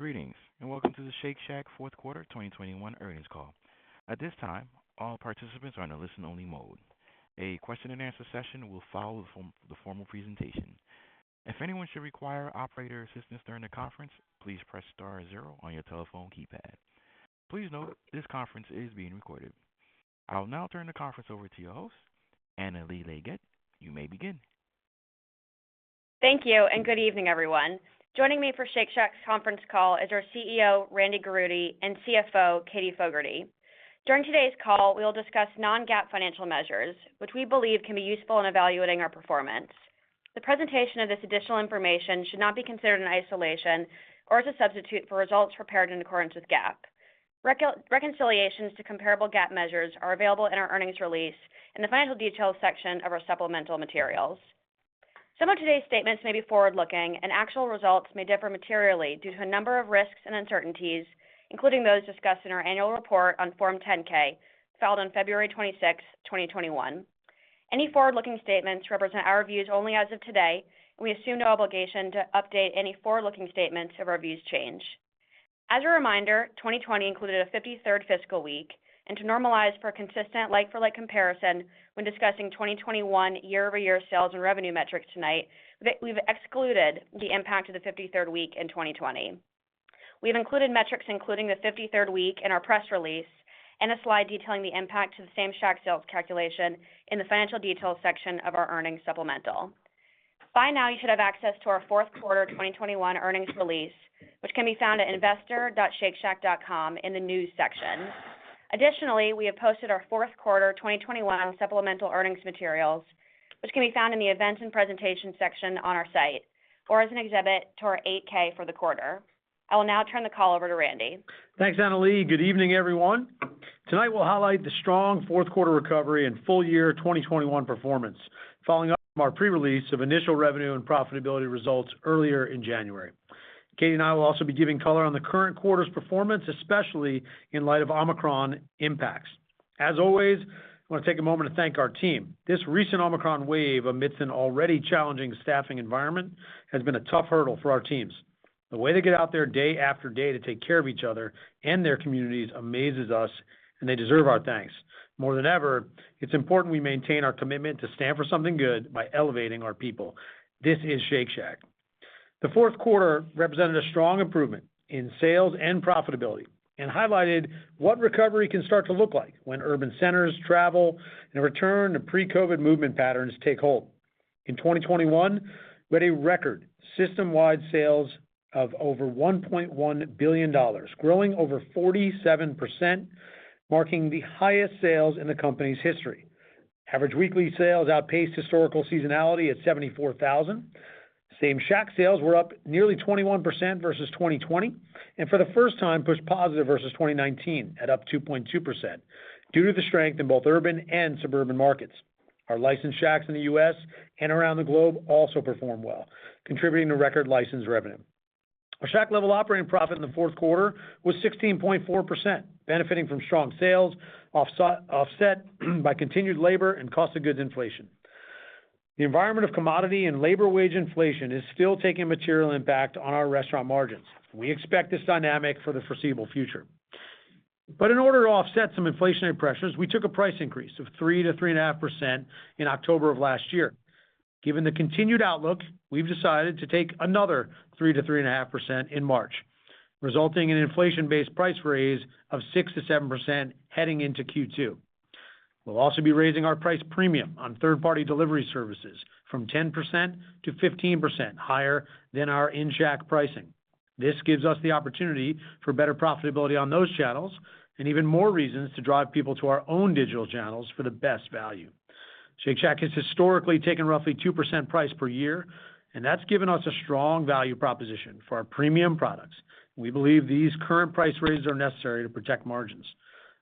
Greetings, and welcome to the Shake Shack Fourth Quarter 2021 Earnings Call. At this time, all participants are in a listen-only mode. A question-and-answer session will follow the formal presentation. If anyone should require operator assistance during the conference, please press star zero on your telephone keypad. Please note this conference is being recorded. I will now turn the conference over to your host, Annalee Leggett. You may begin. Thank you, and good evening, everyone. Joining me for Shake Shack conference call is our CEO, Randy Garutti, and CFO, Katie Fogertey. During today's call, we will discuss non-GAAP financial measures, which we believe can be useful in evaluating our performance. The presentation of this additional information should not be considered in isolation or as a substitute for results prepared in accordance with GAAP. Reconciliations to comparable GAAP measures are available in our earnings release in the Financial Details section of our supplemental materials. Some of today's statements may be forward-looking, and actual results may differ materially due to a number of risks and uncertainties, including those discussed in our annual report on Form 10-K, filed on February 26th, 2021. Any forward-looking statements represent our views only as of today, and we assume no obligation to update any forward-looking statements if our views change. As a reminder, 2020 included a 53rd fiscal week and to normalize for a consistent like-for-like comparison when discussing 2021 year-over-year sales and revenue metrics tonight, we've excluded the impact of the 53rd week in 2020. We have included metrics including the 53rd week in our press release and a slide detailing the impact to the Same-Shack sales calculation in the Financial Details section of our earnings supplemental. By now, you should have access to our fourth quarter 2021 earnings release, which can be found at investor.shakeshack.com in the News section. Additionally, we have posted our fourth quarter 2021 supplemental earnings materials, which can be found in the Events and Presentation section on our site or as an exhibit to our 8-K for the quarter. I will now turn the call over to Randy. Thanks, Annalee. Good evening, everyone. Tonight we'll highlight the strong fourth quarter recovery and full year 2021 performance following up from our pre-release of initial revenue and profitability results earlier in January. Katie and I will also be giving color on the current quarter's performance, especially in light of Omicron impacts. As always, I want to take a moment to thank our team. This recent Omicron wave amidst an already challenging staffing environment has been a tough hurdle for our teams. The way they get out there day after day to take care of each other and their communities amazes us and they deserve our thanks. More than ever, it's important we maintain our commitment to stand for something good by elevating our people. This is Shake Shack. The fourth quarter represented a strong improvement in sales and profitability and highlighted what recovery can start to look like when urban centers, travel and a return to pre-COVID movement patterns take hold. In 2021, we had a record system-wide sales of over $1.1 billion, growing over 47%, marking the highest sales in the company's history. Average weekly sales outpaced historical seasonality at $74,000. Same-Shack sales were up nearly 21% versus 2020, and for the first time pushed positive versus 2019 at up 2.2% due to the strength in both urban and suburban markets. Our licensed Shacks in the U.S. and around the globe also performed well, contributing to record license revenue. Our Shack-level operating profit in the fourth quarter was 16.4%, benefiting from strong sales offset by continued labor and cost of goods inflation. The environment of commodity and labor wage inflation is still taking material impact on our restaurant margins. We expect this dynamic for the foreseeable future. In order to offset some inflationary pressures, we took a price increase of 3%-3.5% in October of last year. Given the continued outlook, we've decided to take another 3%-3.5% in March, resulting in an inflation-based price raise of 6%-7% heading into Q2. We'll also be raising our price premium on third-party delivery services from 10%-15% higher than our in-Shack pricing. This gives us the opportunity for better profitability on those channels and even more reasons to drive people to our own digital channels for the best value. Shake Shack has historically taken roughly 2% price per year, and that's given us a strong value proposition for our premium products. We believe these current price raises are necessary to protect margins.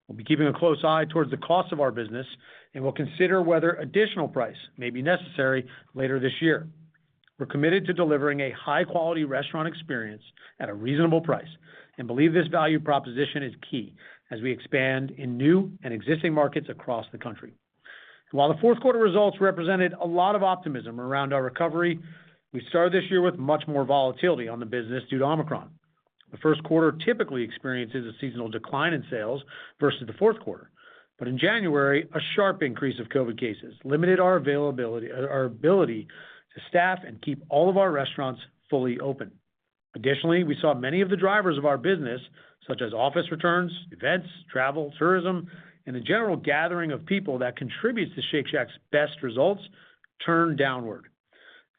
We'll be keeping a close eye towards the cost of our business, and we'll consider whether additional price may be necessary later this year. We're committed to delivering a high quality restaurant experience at a reasonable price, and believe this value proposition is key as we expand in new and existing markets across the country. While the fourth quarter results represented a lot of optimism around our recovery, we started this year with much more volatility on the business due to Omicron. The first quarter typically experiences a seasonal decline in sales versus the fourth quarter. In January, a sharp increase of COVID cases limited our ability to staff and keep all of our restaurants fully open. Additionally, we saw many of the drivers of our business, such as office returns, events, travel, tourism, and the general gathering of people that contributes to Shake Shack's best results turn downward,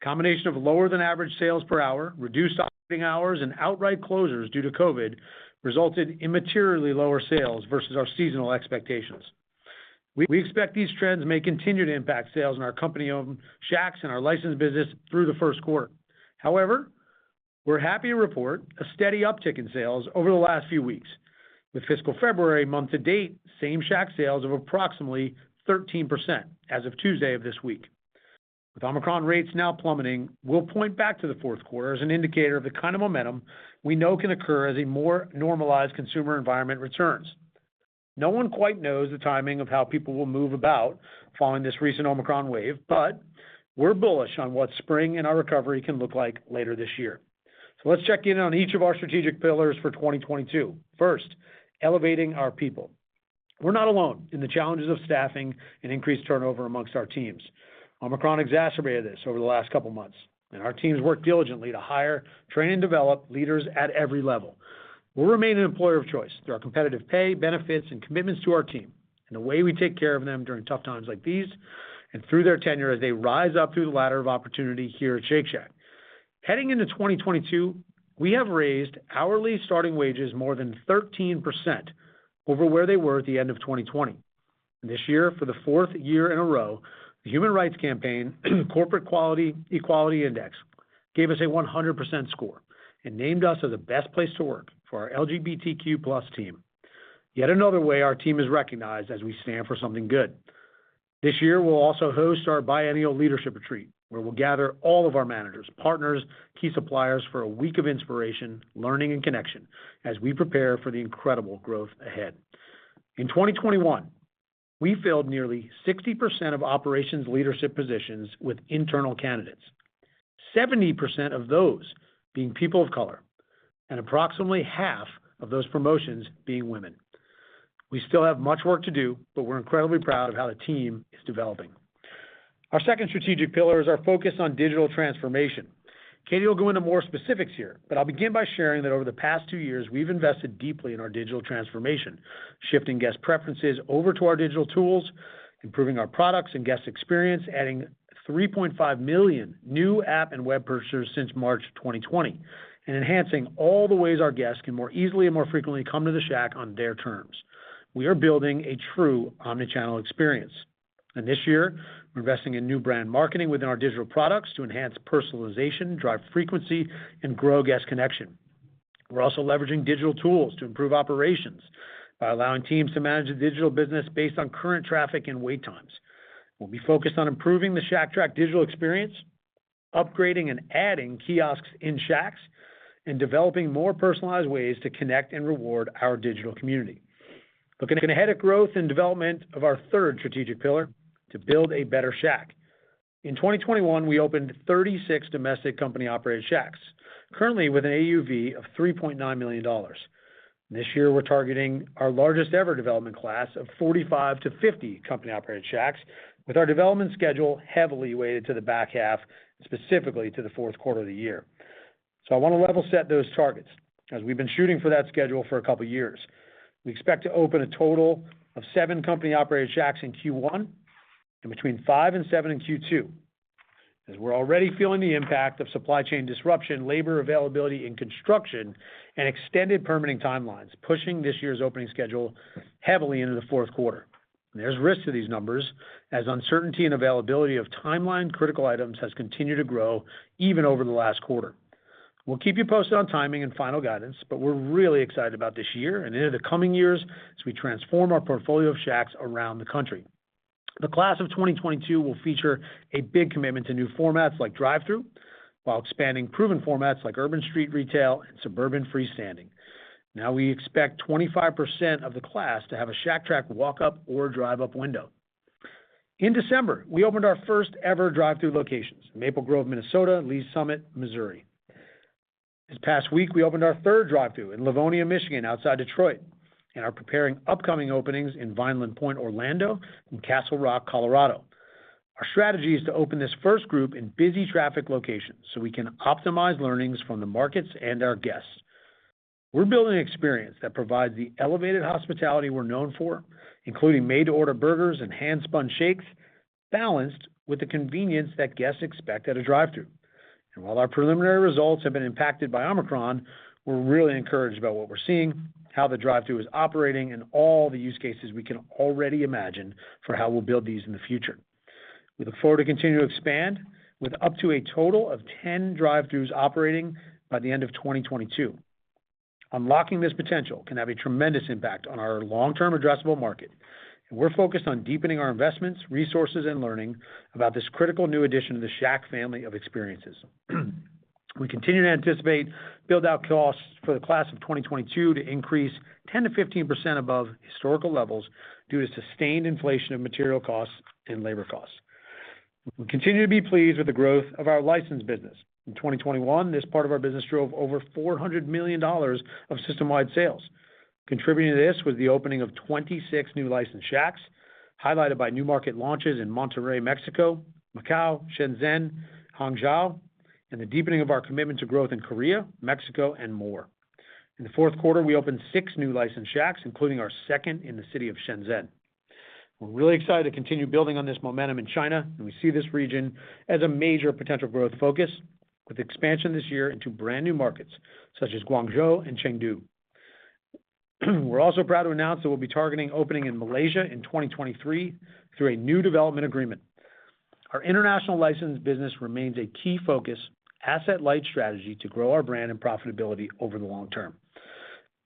a combination of lower than average sales per hour, reduced operating hours and outright closures due to COVID resulted in materially lower sales versus our seasonal expectations. We expect these trends may continue to impact sales in our company-operated Shacks and our licensed business through the first quarter. However, we're happy to report a steady uptick in sales over the last few weeks. With fiscal February month to date, same-Shack sales of approximately 13% as of Tuesday of this week. With Omicron rates now plummeting, we'll point back to the fourth quarter as an indicator of the kind of momentum we know can occur as a more normalized consumer environment returns. No one quite knows the timing of how people will move about following this recent Omicron wave, but we're bullish on what spring and our recovery can look like later this year. Let's check in on each of our strategic pillars for 2022. First, elevating our people. We're not alone in the challenges of staffing and increased turnover amongst our teams. Omicron exacerbated this over the last couple of months, and our teams worked diligently to hire, train, and develop leaders at every level. We'll remain an employer of choice through our competitive pay, benefits, and commitments to our team and the way we take care of them during tough times like these and through their tenure as they rise up through the ladder of opportunity here at Shake Shack. Heading into 2022, we have raised hourly starting wages more than 13% over where they were at the end of 2020. This year, for the fourth year in a row, the Human Rights Campaign Corporate Equality Index gave us a 100% score and named us as the best place to work for our LGBTQ+ team. Yet another way our team is recognized as we stand for something good. This year, we'll also host our biennial leadership retreat, where we'll gather all of our managers, partners, key suppliers for a week of inspiration, learning, and connection as we prepare for the incredible growth ahead. In 2021, we filled nearly 60% of operations leadership positions with internal candidates. 70% of those being people of color, and approximately half of those promotions being women. We still have much work to do, but we're incredibly proud of how the team is developing. Our second strategic pillar is our focus on digital transformation. Katie will go into more specifics here, but I'll begin by sharing that over the past two years, we've invested deeply in our digital transformation, shifting guest preferences over to our digital tools, improving our products and guest experience, adding 3.5 million new app and web purchasers since March 2020, and enhancing all the ways our guests can more easily and more frequently come to the Shack on their terms. We are building a true omnichannel experience. This year, we're investing in new brand marketing within our digital products to enhance personalization, drive frequency, and grow guest connection. We're also leveraging digital tools to improve operations by allowing teams to manage the digital business based on current traffic and wait times. We'll be focused on improving the Shack Track digital experience, upgrading and adding kiosks in Shacks, and developing more personalized ways to connect and reward our digital community. Looking ahead at growth and development of our third strategic pillar, to build a better Shack. In 2021, we opened 36 domestic company-operated Shacks, currently with an AUV of $3.9 million. This year, we're targeting our largest ever development class of 45-50 company-operated Shacks, with our development schedule heavily weighted to the back half, specifically to the fourth quarter of the year. I want to level set those targets as we've been shooting for that schedule for a couple of years. We expect to open a total of seven company-operated Shacks in Q1 and between five and seven in Q2. We're already feeling the impact of supply chain disruption, labor availability in construction, and extended permitting timelines, pushing this year's opening schedule heavily into the fourth quarter. There's risk to these numbers as uncertainty and availability of timeline critical items has continued to grow even over the last quarter. We'll keep you posted on timing and final guidance, but we're really excited about this year and into the coming years as we transform our portfolio of Shacks around the country. The class of 2022 will feature a big commitment to new formats like drive-thru while expanding proven formats like urban street retail and suburban freestanding. We expect 25% of the class to have a Shack Track walk-up or drive-up window. In December, we opened our first ever drive-thru locations, Maple Grove, Minnesota, Lee's Summit, Missouri. This past week, we opened our third drive-thru in Livonia, Michigan, outside Detroit, and are preparing upcoming openings in Vineland Pointe, Orlando, and Castle Rock, Colorado. Our strategy is to open this first group in busy traffic locations so we can optimize learnings from the markets and our guests. We're building an experience that provides the elevated hospitality we're known for, including made-to-order burgers and hand-spun shakes, balanced with the convenience that guests expect at a drive-thru. While our preliminary results have been impacted by Omicron, we're really encouraged about what we're seeing, how the drive-thru is operating, and all the use cases we can already imagine for how we'll build these in the future. We look forward to continuing to expand with up to a total of 10 drive-thrus operating by the end of 2022. Unlocking this potential can have a tremendous impact on our long-term addressable market, and we're focused on deepening our investments, resources, and learning about this critical new addition to the Shack family of experiences. We continue to anticipate build-out costs for the class of 2022 to increase 10%-15% above historical levels due to sustained inflation of material costs and labor costs. We continue to be pleased with the growth of our licensed business. In 2021, this part of our business drove over $400 million of system-wide sales. Contributing to this was the opening of 26 new licensed Shacks, highlighted by new market launches in Monterrey, Mexico, Macau, Shenzhen, Hangzhou, and the deepening of our commitment to growth in Korea, Mexico, and more. In the fourth quarter, we opened six new licensed Shacks, including our second in the city of Shenzhen. We're really excited to continue building on this momentum in China, and we see this region as a major potential growth focus with expansion this year into brand new markets such as Guangzhou and Chengdu. We're also proud to announce that we'll be targeting opening in Malaysia in 2023 through a new development agreement. Our international licensed business remains a key focus asset-light strategy to grow our brand and profitability over the long term.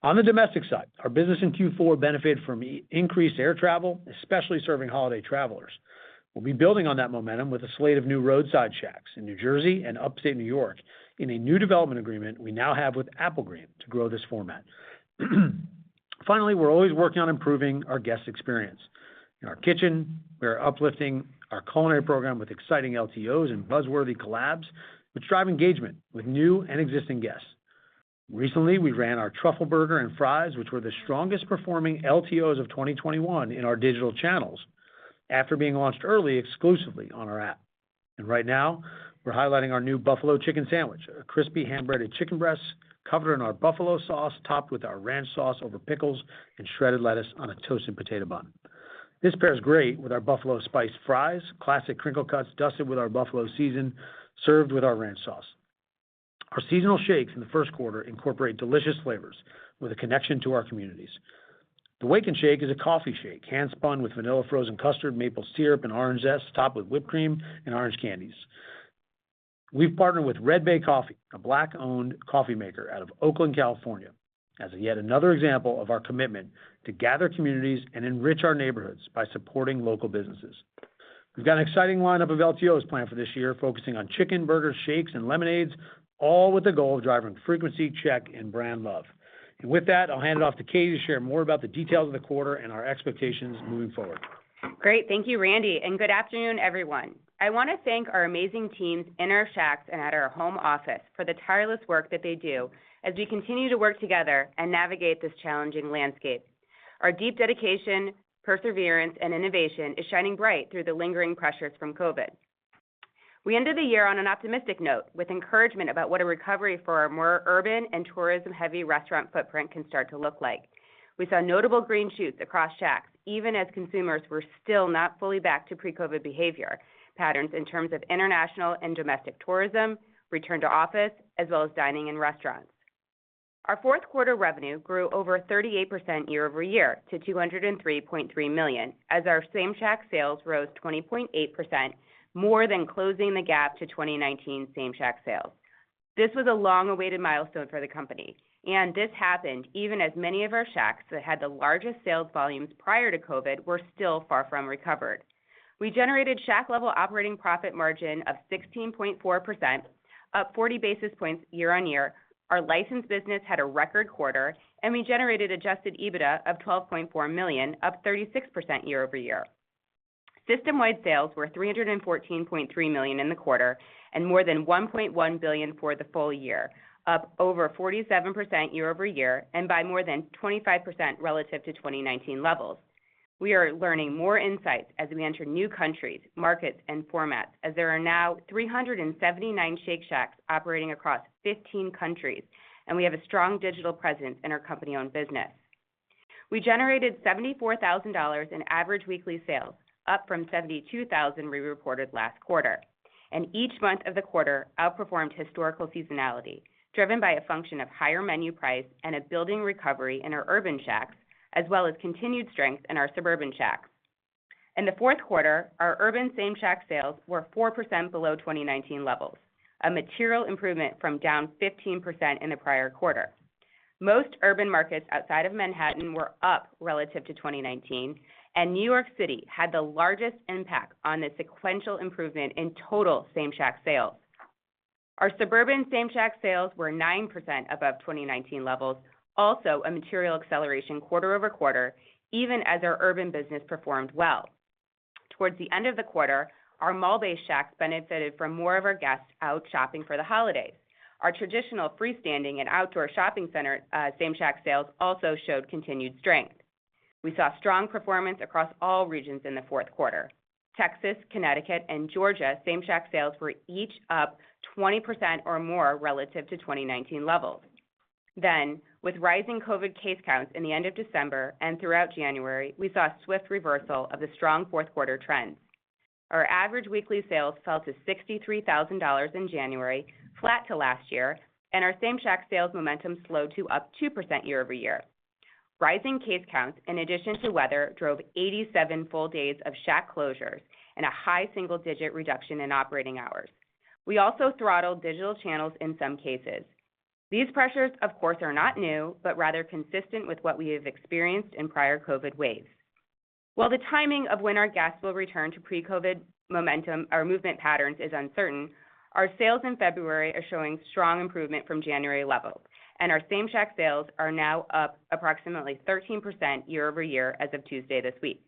On the domestic side, our business in Q4 benefited from increased air travel, especially serving holiday travelers. We'll be building on that momentum with a slate of new roadside Shacks in New Jersey and upstate New York in a new development agreement we now have with Applegreen to grow this format. Finally, we're always working on improving our guest experience. In our kitchen, we are uplifting our culinary program with exciting LTOs and buzzworthy collabs, which drive engagement with new and existing guests. Recently, we ran our Black Truffle Burger and fries, which were the strongest performing LTOs of 2021 in our digital channels after being launched early exclusively on our app. Right now, we're highlighting our new Buffalo Chicken Sandwich, a crispy hand-breaded chicken breast covered in our Buffalo sauce, topped with our ranch sauce over pickles and shredded lettuce on a toasted potato bun. This pairs great with our Buffalo spiced fries, classic crinkle cuts dusted with our Buffalo seasoning, served with our ranch sauce. Our seasonal shakes in the first quarter incorporate delicious flavors with a connection to our communities. The Wake & Shake is a coffee shake hand-spun with vanilla frozen custard, maple syrup, and orange zest, topped with whipped cream and orange candies. We've partnered with Red Bay Coffee, a Black-owned coffee maker out of Oakland, California, as yet another example of our commitment to gather communities and enrich our neighborhoods by supporting local businesses. We've got an exciting lineup of LTOs planned for this year, focusing on chicken, burgers, shakes, and lemonades, all with the goal of driving frequency, check, and brand love. With that, I'll hand it off to Katie to share more about the details of the quarter and our expectations moving forward. Great. Thank you, Randy, and good afternoon, everyone. I want to thank our amazing teams in our Shacks and at our home office for the tireless work that they do as we continue to work together and navigate this challenging landscape. Our deep dedication, perseverance, and innovation is shining bright through the lingering pressures from COVID. We ended the year on an optimistic note with encouragement about what a recovery for our more urban and tourism-heavy restaurant footprint can start to look like. We saw notable green shoots across Shacks, even as consumers were still not fully back to pre-COVID behavior patterns in terms of international and domestic tourism, return to office, as well as dining in restaurants. Our fourth quarter revenue grew over 38% year-over-year to $203.3 million as our Same-Shack sales rose 20.8%, more than closing the gap to 2019 Same-Shack sales. This was a long-awaited milestone for the company, and this happened even as many of our Shacks that had the largest sales volumes prior to COVID were still far from recovered. We generated Shack-level operating profit margin of 16.4%, up 40 basis points year-over-year. Our licensed business had a record quarter, and we generated Adjusted EBITDA of $12.4 million, up 36% year-over-year. System-wide sales were $314.3 million in the quarter and more than $1.1 billion for the full year, up over 47% year-over-year and by more than 25% relative to 2019 levels. We are learning more insights as we enter new countries, markets, and formats, as there are now 379 Shake Shacks operating across 15 countries, and we have a strong digital presence in our company-owned business. We generated $74,000 in average weekly sales, up from $72,000 we reported last quarter. Each month of the quarter outperformed historical seasonality, driven by a function of higher menu price and a building recovery in our urban Shacks, as well as continued strength in our suburban Shacks. In the fourth quarter, our urban Same-Shack sales were 4% below 2019 levels, a material improvement from down 15% in the prior quarter. Most urban markets outside of Manhattan were up relative to 2019, and New York City had the largest impact on the sequential improvement in total Same-Shack sales. Our suburban Same-Shack sales were 9% above 2019 levels, also a material acceleration quarter over quarter, even as our urban business performed well. Towards the end of the quarter, our mall-based Shacks benefited from more of our guests out shopping for the holidays. Our traditional freestanding and outdoor shopping center Same-Shack sales also showed continued strength. We saw strong performance across all regions in the fourth quarter. Texas, Connecticut, and Georgia Same-Shack sales were each up 20% or more relative to 2019 levels. With rising COVID case counts in the end of December and throughout January, we saw a swift reversal of the strong fourth quarter trends. Our average weekly sales fell to $63,000 in January, flat to last year, and our Same-Shack sales momentum slowed to up 2% year-over-year. Rising case counts, in addition to weather, drove 87 full days of Shack closures and a high single-digit reduction in operating hours. We also throttled digital channels in some cases. These pressures, of course, are not new, but rather consistent with what we have experienced in prior COVID waves. While the timing of when our guests will return to pre-COVID momentum or movement patterns is uncertain, our sales in February are showing strong improvement from January levels, and our Same-Shack sales are now up approximately 13% year-over-year as of Tuesday this week.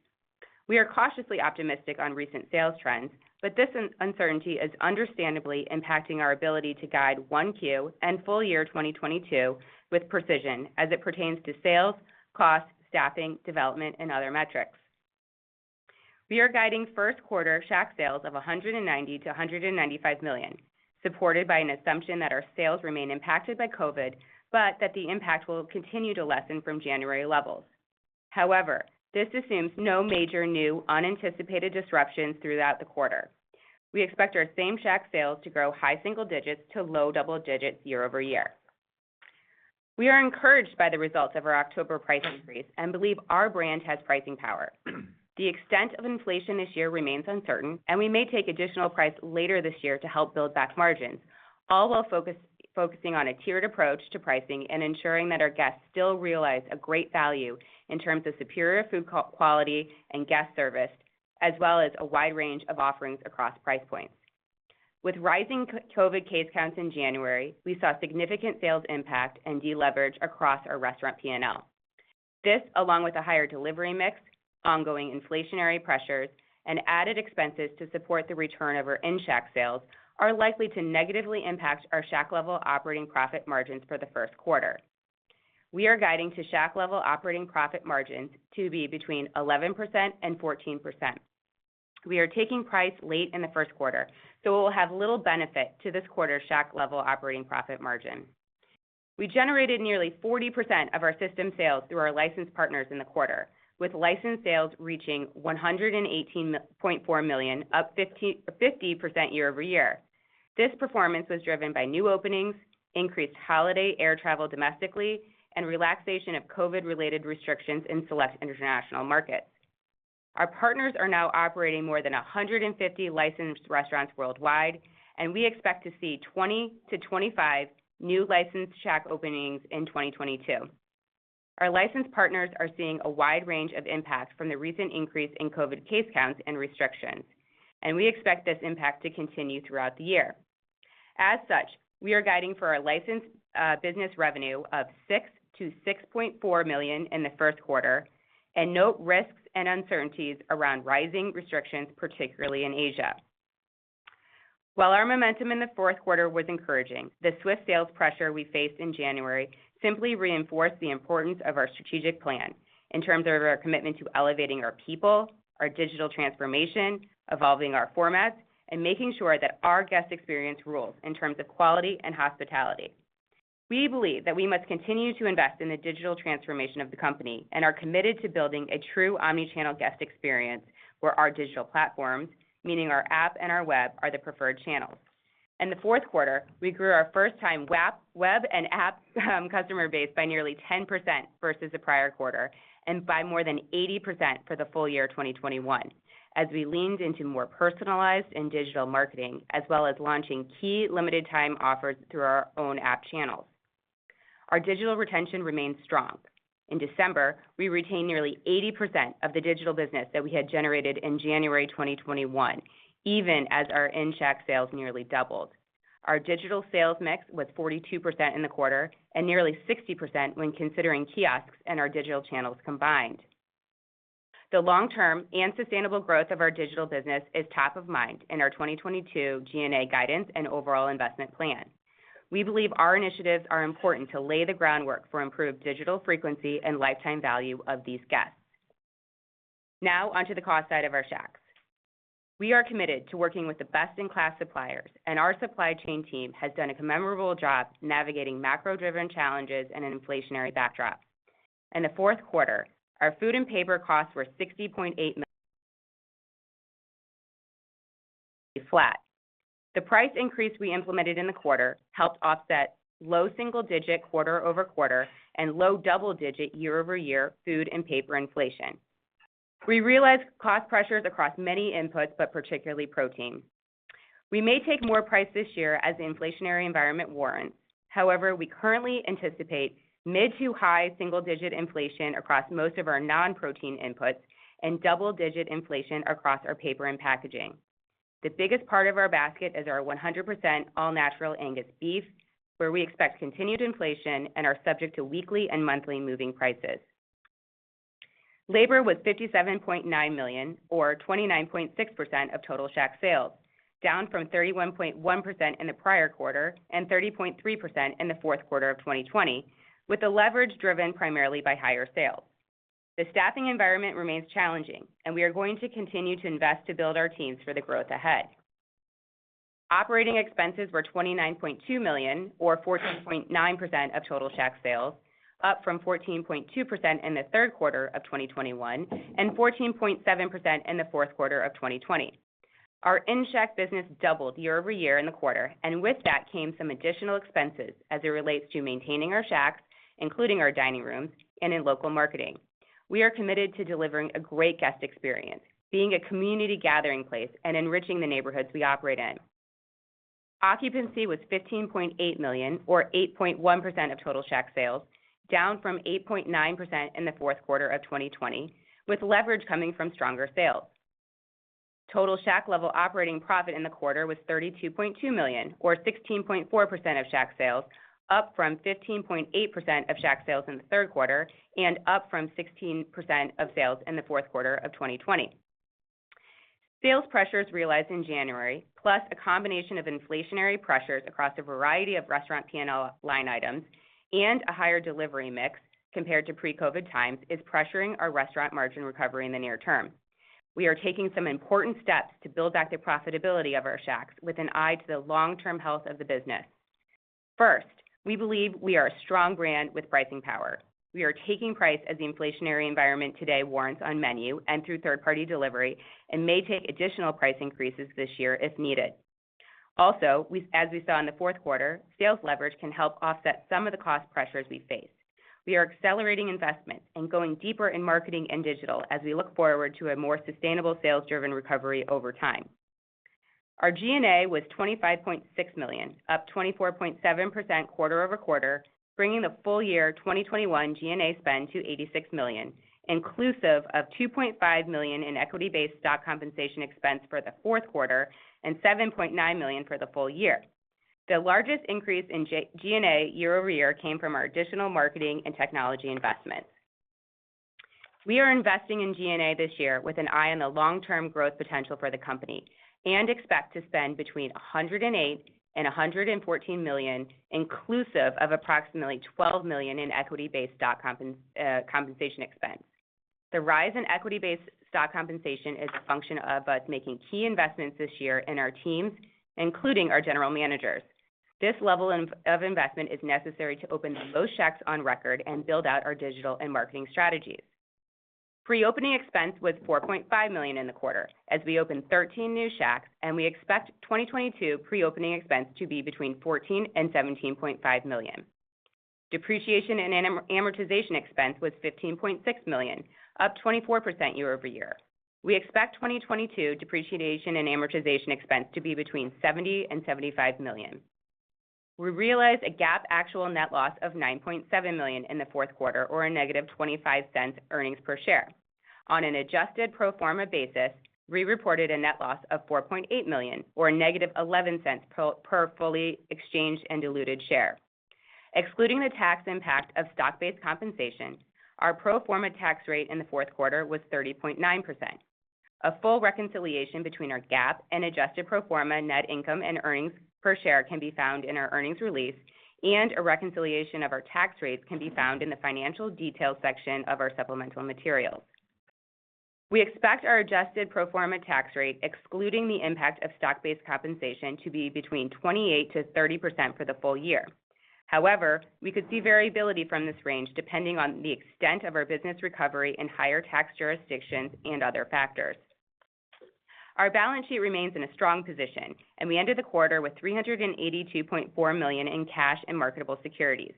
We are cautiously optimistic on recent sales trends, but this uncertainty is understandably impacting our ability to guide Q1 and full year 2022 with precision as it pertains to sales, costs, staffing, development, and other metrics. We are guiding first quarter Shack sales of $190 million-$195 million, supported by an assumption that our sales remain impacted by COVID, but that the impact will continue to lessen from January levels. However, this assumes no major new unanticipated disruptions throughout the quarter. We expect our Same-Shack sales to grow high single digits to low double digits year-over-year. We are encouraged by the results of our October price increase and believe our brand has pricing power. The extent of inflation this year remains uncertain, and we may take additional price later this year to help build back margins, all while focusing on a tiered approach to pricing and ensuring that our guests still realize a great value in terms of superior food quality and guest service, as well as a wide range of offerings across price points. With rising COVID case counts in January, we saw significant sales impact and deleverage across our restaurant P&L. This, along with a higher delivery mix, ongoing inflationary pressures, and added expenses to support the return of our in-Shack sales, are likely to negatively impact our Shack-level operating profit margins for the first quarter. We are guiding to Shack-level operating profit margins to be between 11% and 14%. We are taking price late in the first quarter, so we'll have little benefit to this quarter's Shack-level operating profit margin. We generated nearly 40% of our system sales through our licensed partners in the quarter, with licensed sales reaching $118.4 million, up 50% year-over-year. This performance was driven by new openings, increased holiday air travel domestically, and relaxation of COVID-related restrictions in select international markets. Our partners are now operating more than 150 licensed restaurants worldwide, and we expect to see 20-25 new licensed Shack openings in 2022. Our licensed partners are seeing a wide range of impacts from the recent increase in COVID case counts and restrictions, and we expect this impact to continue throughout the year. As such, we are guiding for a licensed business revenue of $6 million-$6.4 million in the first quarter and note risks and uncertainties around rising restrictions, particularly in Asia. While our momentum in the fourth quarter was encouraging, the swift sales pressure we faced in January simply reinforced the importance of our strategic plan in terms of our commitment to elevating our people, our digital transformation, evolving our formats, and making sure that our guest experience rules in terms of quality and hospitality. We believe that we must continue to invest in the digital transformation of the company and are committed to building a true omnichannel guest experience where our digital platforms, meaning our app and our web, are the preferred channels. In the fourth quarter, we grew our first-time web and app customer base by nearly 10% versus the prior quarter and by more than 80% for the full year 2021 as we leaned into more personalized and digital marketing, as well as launching key limited time offers through our own app channels. Our digital retention remains strong. In December, we retained nearly 80% of the digital business that we had generated in January 2021, even as our in-Shack sales nearly doubled. Our digital sales mix was 42% in the quarter and nearly 60% when considering kiosks and our digital channels combined. The long-term and sustainable growth of our digital business is top of mind in our 2022 G&A guidance and overall investment plan. We believe our initiatives are important to lay the groundwork for improved digital frequency and lifetime value of these guests. Now onto the cost side of our Shacks. We are committed to working with the best-in-class suppliers and our supply chain team has done a remarkable job navigating macro-driven challenges and an inflationary backdrop. In the fourth quarter, our food and paper costs were $60.8 million flat. The price increase we implemented in the quarter helped offset low single-digit quarter-over-quarter and low double-digit year-over-year food and paper inflation. We realized cost pressures across many inputs, but particularly protein. We may take more price this year as the inflationary environment warrants. However, we currently anticipate mid- to high single-digit inflation across most of our non-protein inputs and double-digit inflation across our paper and packaging. The biggest part of our basket is our 100% all-natural Angus beef, where we expect continued inflation and are subject to weekly and monthly moving prices. Labor was $57.9 million or 29.6% of total Shack sales, down from 31.1% in the prior quarter and 30.3% in the fourth quarter of 2020, with the leverage driven primarily by higher sales. The staffing environment remains challenging, and we are going to continue to invest to build our teams for the growth ahead. Operating expenses were $29.2 million or 14.9% of total Shack sales, up from 14.2% in the third quarter of 2021 and 14.7% in the fourth quarter of 2020. Our in-Shack business doubled year-over-year in the quarter, and with that came some additional expenses as it relates to maintaining our Shacks, including our dining rooms and in local marketing. We are committed to delivering a great guest experience, being a community gathering place and enriching the neighborhoods we operate in. Occupancy was $15.8 million or 8.1% of total Shack sales, down from 8.9% in the fourth quarter of 2020, with leverage coming from stronger sales. Total Shack-level operating profit in the quarter was $32.2 million or 16.4% of Shack sales, up from 15.8% of Shack sales in the third quarter and up from 16% of sales in the fourth quarter of 2020. Sales pressures realized in January, plus a combination of inflationary pressures across a variety of restaurant P&L line items and a higher delivery mix compared to pre-COVID times, is pressuring our restaurant margin recovery in the near term. We are taking some important steps to build back the profitability of our Shacks with an eye to the long-term health of the business. First, we believe we are a strong brand with pricing power. We are taking price as the inflationary environment today warrants on menu and through third-party delivery and may take additional price increases this year if needed. Also, as we saw in the fourth quarter, sales leverage can help offset some of the cost pressures we face. We are accelerating investment and going deeper in marketing and digital as we look forward to a more sustainable sales-driven recovery over time. Our G&A was $25.6 million, up 24.7% quarter-over-quarter, bringing the full year 2021 G&A spend to $86 million, inclusive of $2.5 million in equity-based stock compensation expense for the fourth quarter and $7.9 million for the full year. The largest increase in G&A year-over-year came from our additional marketing and technology investments. We are investing in G&A this year with an eye on the long-term growth potential for the company and expect to spend between $108 million and $114 million, inclusive of approximately $12 million in equity-based stock compensation expense. The rise in equity-based stock compensation is a function of us making key investments this year in our teams, including our general managers. This level of investment is necessary to open the most Shacks on record and build out our digital and marketing strategies. Pre-opening expense was $4.5 million in the quarter as we opened 13 new Shacks, and we expect 2022 pre-opening expense to be between $14 million and $17.5 million. Depreciation and amortization expense was $15.6 million, up 24% year-over-year. We expect 2022 depreciation and amortization expense to be between $70 million and $75 million. We realized a GAAP actual net loss of $9.7 million in the fourth quarter, or ($0.25) earnings per share. On an adjusted pro forma basis, we reported a net loss of $4.8 million, or ($0.11) per fully exchanged and diluted share. Excluding the tax impact of stock-based compensation, our pro forma tax rate in the fourth quarter was 30.9%. A full reconciliation between our GAAP and adjusted pro forma net income and earnings per share can be found in our earnings release, and a reconciliation of our tax rates can be found in the financial details section of our supplemental materials. We expect our adjusted pro forma tax rate, excluding the impact of stock-based compensation, to be between 28%-30% for the full year. However, we could see variability from this range depending on the extent of our business recovery in higher tax jurisdictions and other factors. Our balance sheet remains in a strong position and we ended the quarter with $382.4 million in cash and marketable securities.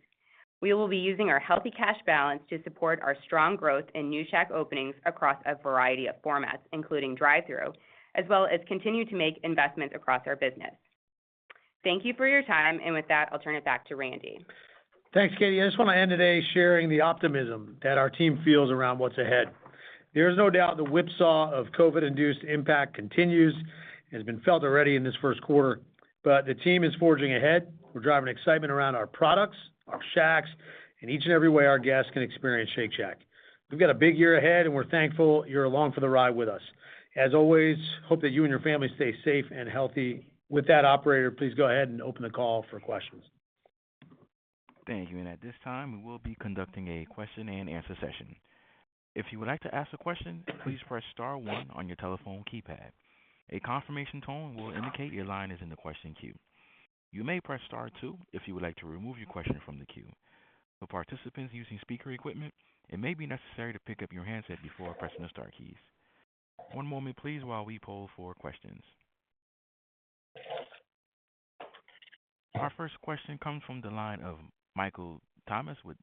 We will be using our healthy cash balance to support our strong growth in new Shack openings across a variety of formats, including drive-thru, as well as continue to make investments across our business. Thank you for your time, and with that, I'll turn it back to Randy. Thanks, Katie. I just want to end today sharing the optimism that our team feels around what's ahead. There is no doubt the whipsaw of COVID-induced impact continues, and has been felt already in this first quarter. The team is forging ahead. We're driving excitement around our products, our Shacks, and each and every way our guests can experience Shake Shack. We've got a big year ahead and we're thankful you're along for the ride with us. As always, hope that you and your family stay safe and healthy. With that, operator, please go ahead and open the call for questions. Thank you. At this time, we will be conducting a question and answer session. If you would like to ask a question, please press star one on your telephone keypad. A confirmation tone will indicate your line is in the question queue. You may press star two if you would like to remove your question from the queue. For participants using speaker equipment, it may be necessary to pick up your handset before pressing the star keys. One moment please while we poll for questions. Our first question comes from the line of Michael Tamas with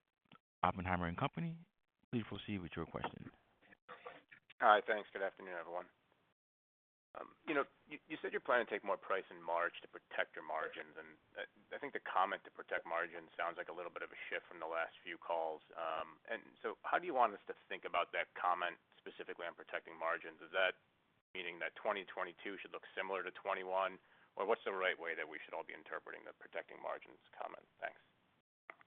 Oppenheimer & Co. Please proceed with your question. Hi. Thanks. Good afternoon, everyone. You know, you said you're planning to take more price in March to protect your margins. I think the comment to protect margins sounds like a little bit of a shift from the last few calls. How do you want us to think about that comment specifically on protecting margins? Is that meaning that 2022 should look similar to 2021? Or what's the right way that we should all be interpreting the protecting margins comment? Thanks.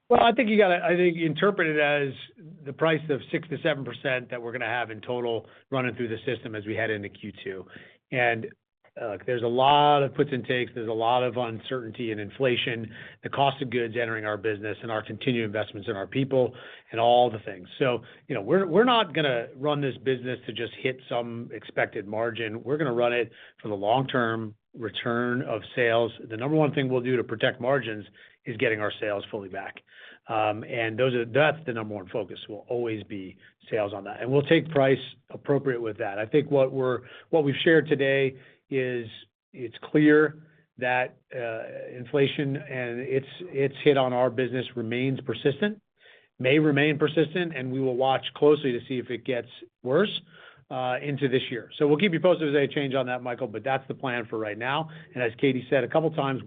Well, I think you gotta interpret it as the price of 6%-7% that we're gonna have in total running through the system as we head into Q2. There's a lot of puts and takes, there's a lot of uncertainty and inflation, the cost of goods entering our business and our continued investments in our people and all the things. You know, we're not gonna run this business to just hit some expected margin. We're gonna run it for the long term return of sales. The number one thing we'll do to protect margins is getting our sales fully back. That's the number one focus, will always be sales on that. We'll take price appropriate with that. I think what we've shared today is it's clear that inflation and its hit on our business remains persistent, may remain persistent, and we will watch closely to see if it gets worse into this year. We'll keep you posted on any change on that, Michael, but that's the plan for right now. As Katie said a couple times,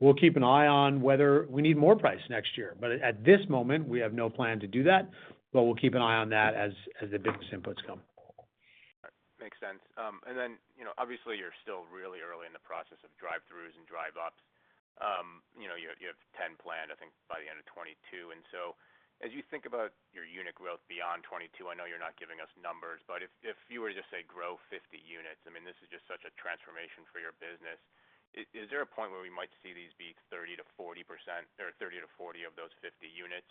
we'll keep an eye on whether we need more price next year. At this moment, we have no plan to do that, but we'll keep an eye on that as the business inputs come. Makes sense. You know, obviously you're still really early in the process of drive-thrus and drive-ups. You know, you have 10 planned, I think by the end of 2022. As you think about your unit growth beyond 2022, I know you're not giving us numbers, but if you were to just say grow 50 units, I mean, this is just such a transformation for your business. Is there a point where we might see these be 30%-40% or 30-40 of those 50 units?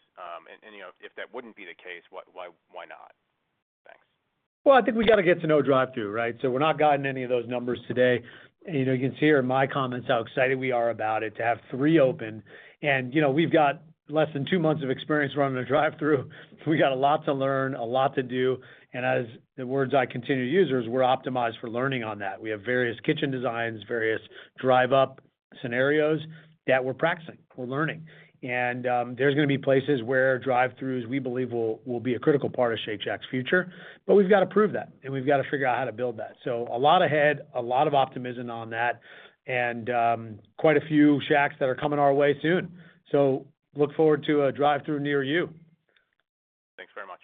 You know, if that wouldn't be the case, why not? Thanks. Well, I think we got to get to know drive-thru, right? We're not guiding any of those numbers today. You know, you can see here in my comments how excited we are about it, to have three open. You know, we've got less than two months of experience running a drive-thru, so we got a lot to learn, a lot to do. As the words I continue to use is we're optimized for learning on that. We have various kitchen designs, various drive-thru scenarios that we're practicing, we're learning. There's going to be places where drive-thrus, we believe will be a critical part of Shake Shack's future. We've got to prove that, and we've got to figure out how to build that. A lot ahead, a lot of optimism on that and, quite a few Shacks that are coming our way soon. Look forward to a drive-thru near you. Thanks very much.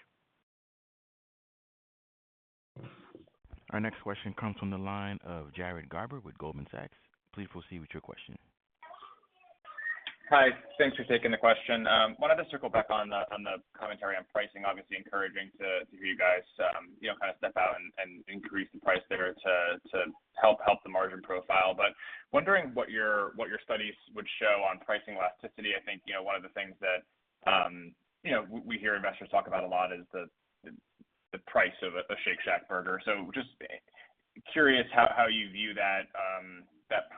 Our next question comes from the line of Jared Garber with Goldman Sachs. Please proceed with your question. Hi. Thanks for taking the question. Wanted to circle back on the commentary on pricing. Obviously encouraging to hear you guys, you know, kind of step out and increase the price there to help the margin profile. Wondering what your studies would show on pricing elasticity. I think, you know, one of the things that, you know, we hear investors talk about a lot is the price of a Shake Shack burger. So just curious how you view that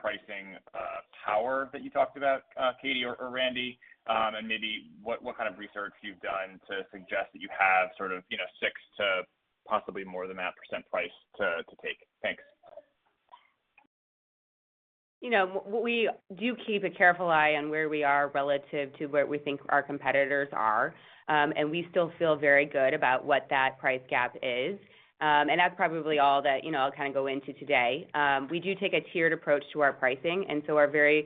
pricing power that you talked about, Katie or Randy. Maybe what kind of research you've done to suggest that you have sort of, you know, 6% to possibly more than that price to take. Thanks. You know, we do keep a careful eye on where we are relative to where we think our competitors are. We still feel very good about what that price gap is. That's probably all that, you know, I'll kind of go into today. We do take a tiered approach to our pricing. We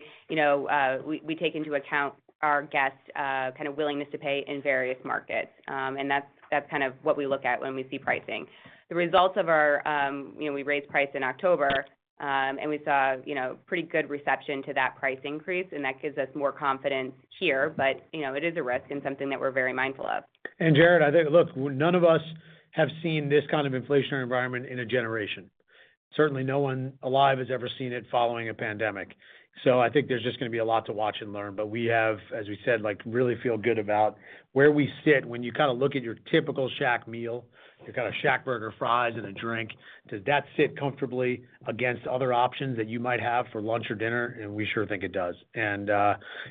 take into account our guests' kind of willingness to pay in various markets. That's kind of what we look at when we see pricing. The results of our pricing. We raised price in October, and we saw, you know, pretty good reception to that price increase, and that gives us more confidence here. You know, it is a risk and something that we're very mindful of. Jared, I think, look, none of us have seen this kind of inflationary environment in a generation. Certainly, no one alive has ever seen it following a pandemic. I think there's just gonna be a lot to watch and learn. We have, as we said, like really feel good about where we sit. When you kind of look at your typical Shack meal, your kind of Shack burger, fries, and a drink, does that sit comfortably against other options that you might have for lunch or dinner? We sure think it does.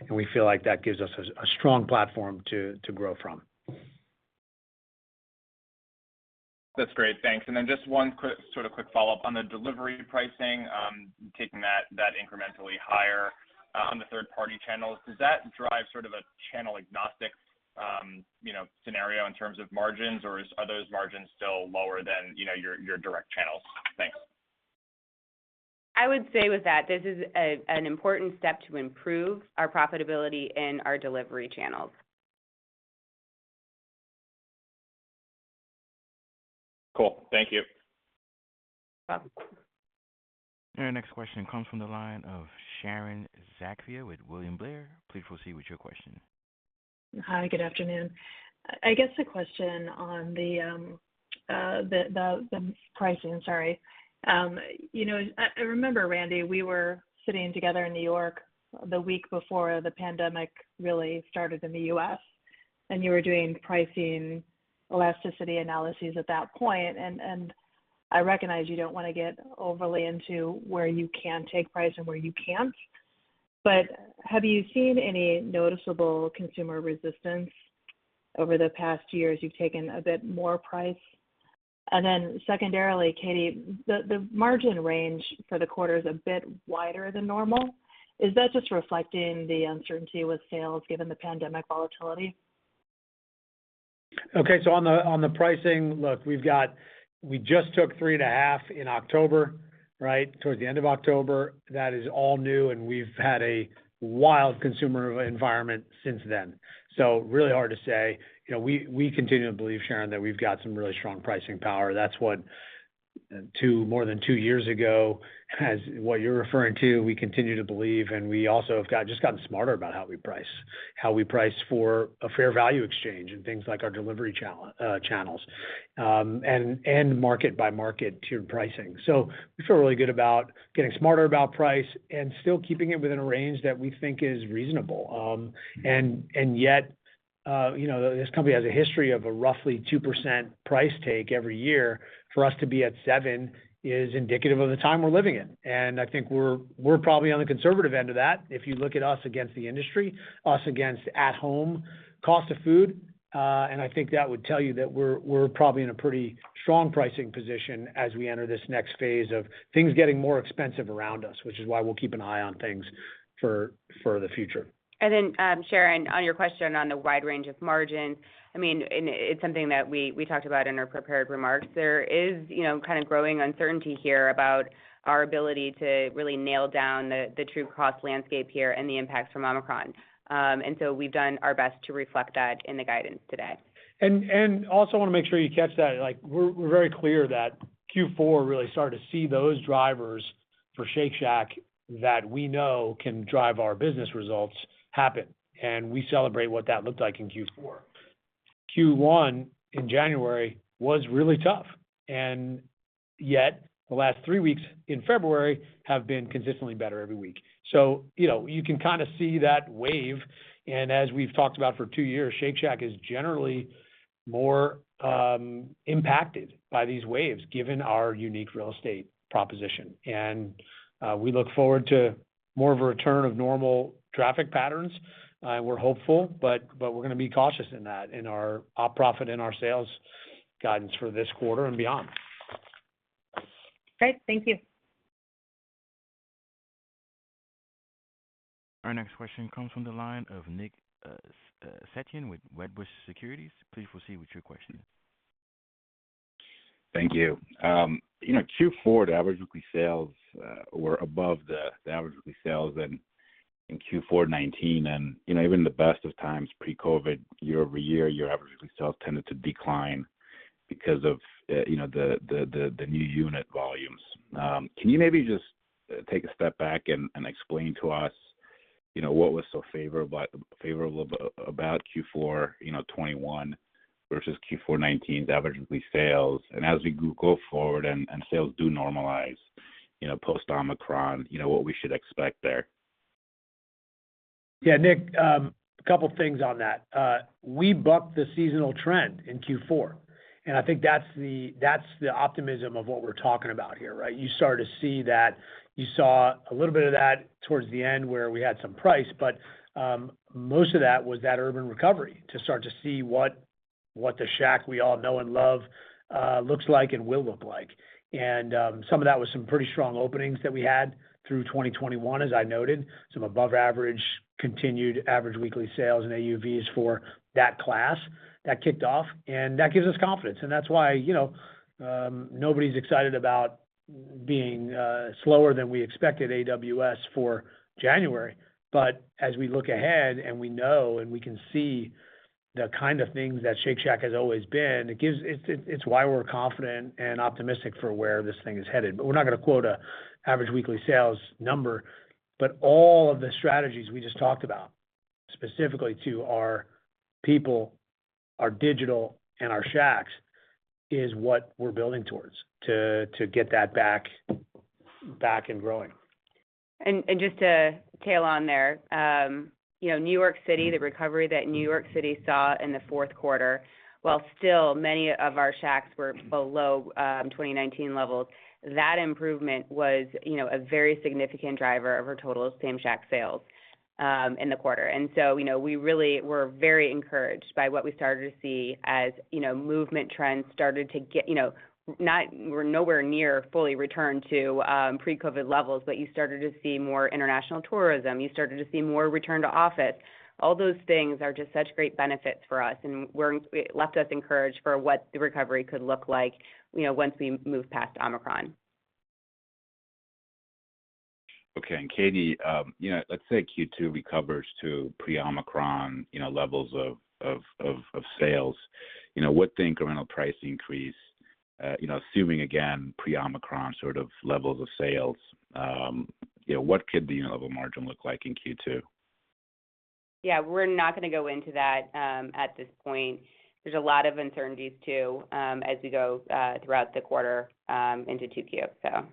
We feel like that gives us a strong platform to grow from. That's great. Thanks. Just one quick follow-up on the delivery pricing, taking that incrementally higher on the third party channels. Does that drive sort of a channel agnostic you know scenario in terms of margins, or are those margins still lower than you know your direct channels? Thanks. I would say with that this is an important step to improve our profitability in our delivery channels. Cool. Thank you. No problem. Our next question comes from the line of Sharon Zackfia with William Blair. Please proceed with your question. Hi, good afternoon. I guess a question on the pricing, sorry. You know, I remember Randy, we were sitting together in New York the week before the pandemic really started in the U.S., and you were doing pricing elasticity analyses at that point. I recognize you don't wanna get overly into where you can take price and where you can't. But have you seen any noticeable consumer resistance over the past year as you've taken a bit more price? Then secondarily, Katie, the margin range for the quarter is a bit wider than normal. Is that just reflecting the uncertainty with sales given the pandemic volatility? Okay. On the pricing, look, we just took 3.5% in October, right? Towards the end of October. That is all new, and we've had a wild consumer environment since then. Really hard to say. You know, we continue to believe, Sharon, that we've got some really strong pricing power. That's more than two years ago, as what you're referring to, we continue to believe, and we've just gotten smarter about how we price. How we price for a fair value exchange and things like our delivery channels and market by market tiered pricing. We feel really good about getting smarter about price and still keeping it within a range that we think is reasonable. Yet, you know, this company has a history of a roughly 2% price take every year. For us to be at 7% is indicative of the time we're living in. I think we're probably on the conservative end of that if you look at us against the industry, us against at home cost of food. I think that would tell you that we're probably in a pretty strong pricing position as we enter this next phase of things getting more expensive around us, which is why we'll keep an eye on things for the future. Sharon, on your question on the wide range of margin, I mean, and it's something that we talked about in our prepared remarks. There is, you know, kind of growing uncertainty here about our ability to really nail down the true cost landscape here and the impacts from Omicron. We've done our best to reflect that in the guidance today. Also wanna make sure you catch that. Like, we're very clear that Q4 really started to see those drivers for Shake Shack that we know can drive our business results happen, and we celebrate what that looked like in Q4. Q1 in January was really tough, and yet the last three weeks in February have been consistently better every week. You know, you can kind of see that wave and as we've talked about for two years, Shake Shack is generally more impacted by these waves given our unique real estate proposition. We look forward to more of a return of normal traffic patterns. We're hopeful, but we're gonna be cautious in that, in our op profit and our sales guidance for this quarter and beyond. Great. Thank you. Our next question comes from the line of Nick Setyan with Wedbush Securities. Please proceed with your question. Thank you. You know, Q4, the average weekly sales were above the average weekly sales in Q4 2019 and, you know, even in the best of times pre-COVID year-over-year, your average weekly sales tended to decline because of, you know, the new unit volumes. Can you maybe just take a step back and explain to us, you know, what was so favorable about Q4, you know, 2021 versus Q4 2019's average weekly sales. As we go forward and sales do normalize, you know, post Omicron, you know, what we should expect there. Yeah, Nick, a couple things on that. We bucked the seasonal trend in Q4, and I think that's the optimism of what we're talking about here, right? You start to see that you saw a little bit of that towards the end where we had some price, but most of that was that urban recovery to start to see what the Shack we all know and love looks like and will look like. Some of that was some pretty strong openings that we had through 2021, as I noted, some above average continued average weekly sales and AUVs for that class that kicked off. That gives us confidence. That's why, you know, nobody's excited about being slower than we expected AWS for January. As we look ahead and we know and we can see the kind of things that Shake Shack has always been, it gives. It's why we're confident and optimistic for where this thing is headed. We're not gonna quote an average weekly sales number. All of the strategies we just talked about, specifically to our people, our digital, and our Shacks, is what we're building towards, to get that back and growing. Just to tail on there, you know, New York City, the recovery that New York City saw in the fourth quarter, while still many of our Shacks were below 2019 levels, that improvement was, you know, a very significant driver of our total same-Shack sales in the quarter. You know, we really were very encouraged by what we started to see as, you know, movement trends started to get, you know, we're nowhere near fully returned to pre-COVID levels, but you started to see more international tourism. You started to see more return to office. All those things are just such great benefits for us. It left us encouraged for what the recovery could look like, you know, once we move past Omicron. Okay. Katie, you know, let's say Q2 recovers to pre-Omicron levels of sales. You know, with the incremental price increase, you know, assuming again pre-Omicron sort of levels of sales, you know, what could the unit level margin look like in Q2? Yeah, we're not gonna go into that at this point. There's a lot of uncertainties too as we go throughout the quarter into 2Q so.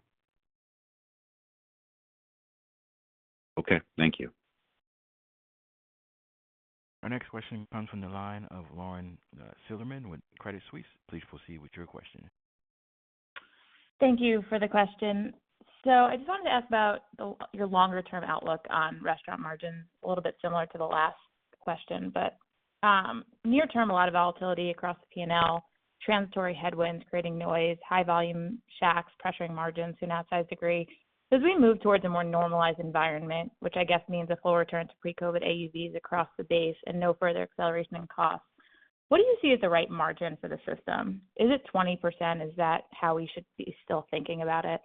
Okay. Thank you. Our next question comes from the line of Lauren Silberman with Credit Suisse. Please proceed with your question. Thank you for the question. I just wanted to ask about your longer term outlook on restaurant margins, a little bit similar to the last question. Near term, a lot of volatility across the P&L, transitory headwinds creating noise, high volume Shacks pressuring margins to an outsized degree. As we move towards a more normalized environment, which I guess means a full return to pre-COVID AUVs across the base and no further acceleration in costs, what do you see as the right margin for the system? Is it 20%? Is that how we should be still thinking about it?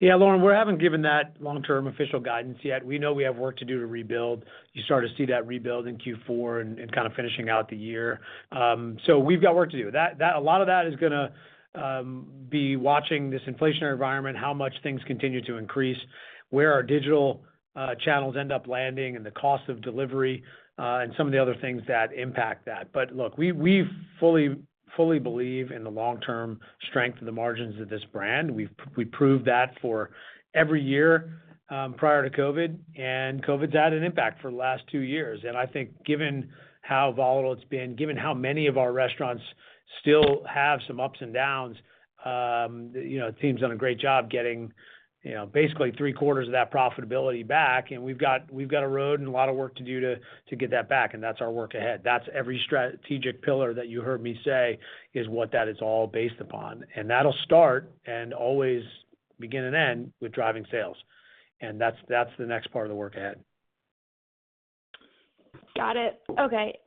Yeah, Lauren, we haven't given that long-term official guidance yet. We know we have work to do to rebuild. You start to see that rebuild in Q4 and kind of finishing out the year. We've got work to do. A lot of that is gonna be watching this inflationary environment, how much things continue to increase, where our digital channels end up landing and the cost of delivery and some of the other things that impact that. Look, we fully believe in the long-term strength of the margins of this brand. We proved that for every year prior to COVID, and COVID's had an impact for the last two years. I think given how volatile it's been, given how many of our restaurants still have some ups and downs, you know, the team's done a great job getting, you know, basically three-quarters of that profitability back. We've got a roadmap and a lot of work to do to get that back, and that's our work ahead. That's every strategic pillar that you heard me say is what that is all based upon. That'll start and always begin and end with driving sales. That's the next part of the work ahead. Got it. Okay.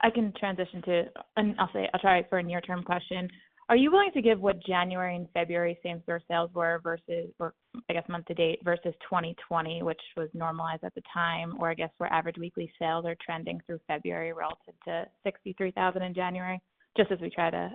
I can transition to and I'll say, I'll try for a near-term question. Are you willing to give what January and February Same-Shack sales were versus or, I guess, month to date versus 2020, which was normalized at the time, or I guess, where average weekly sales are trending through February relative to 63,000 in January? Just as we try to,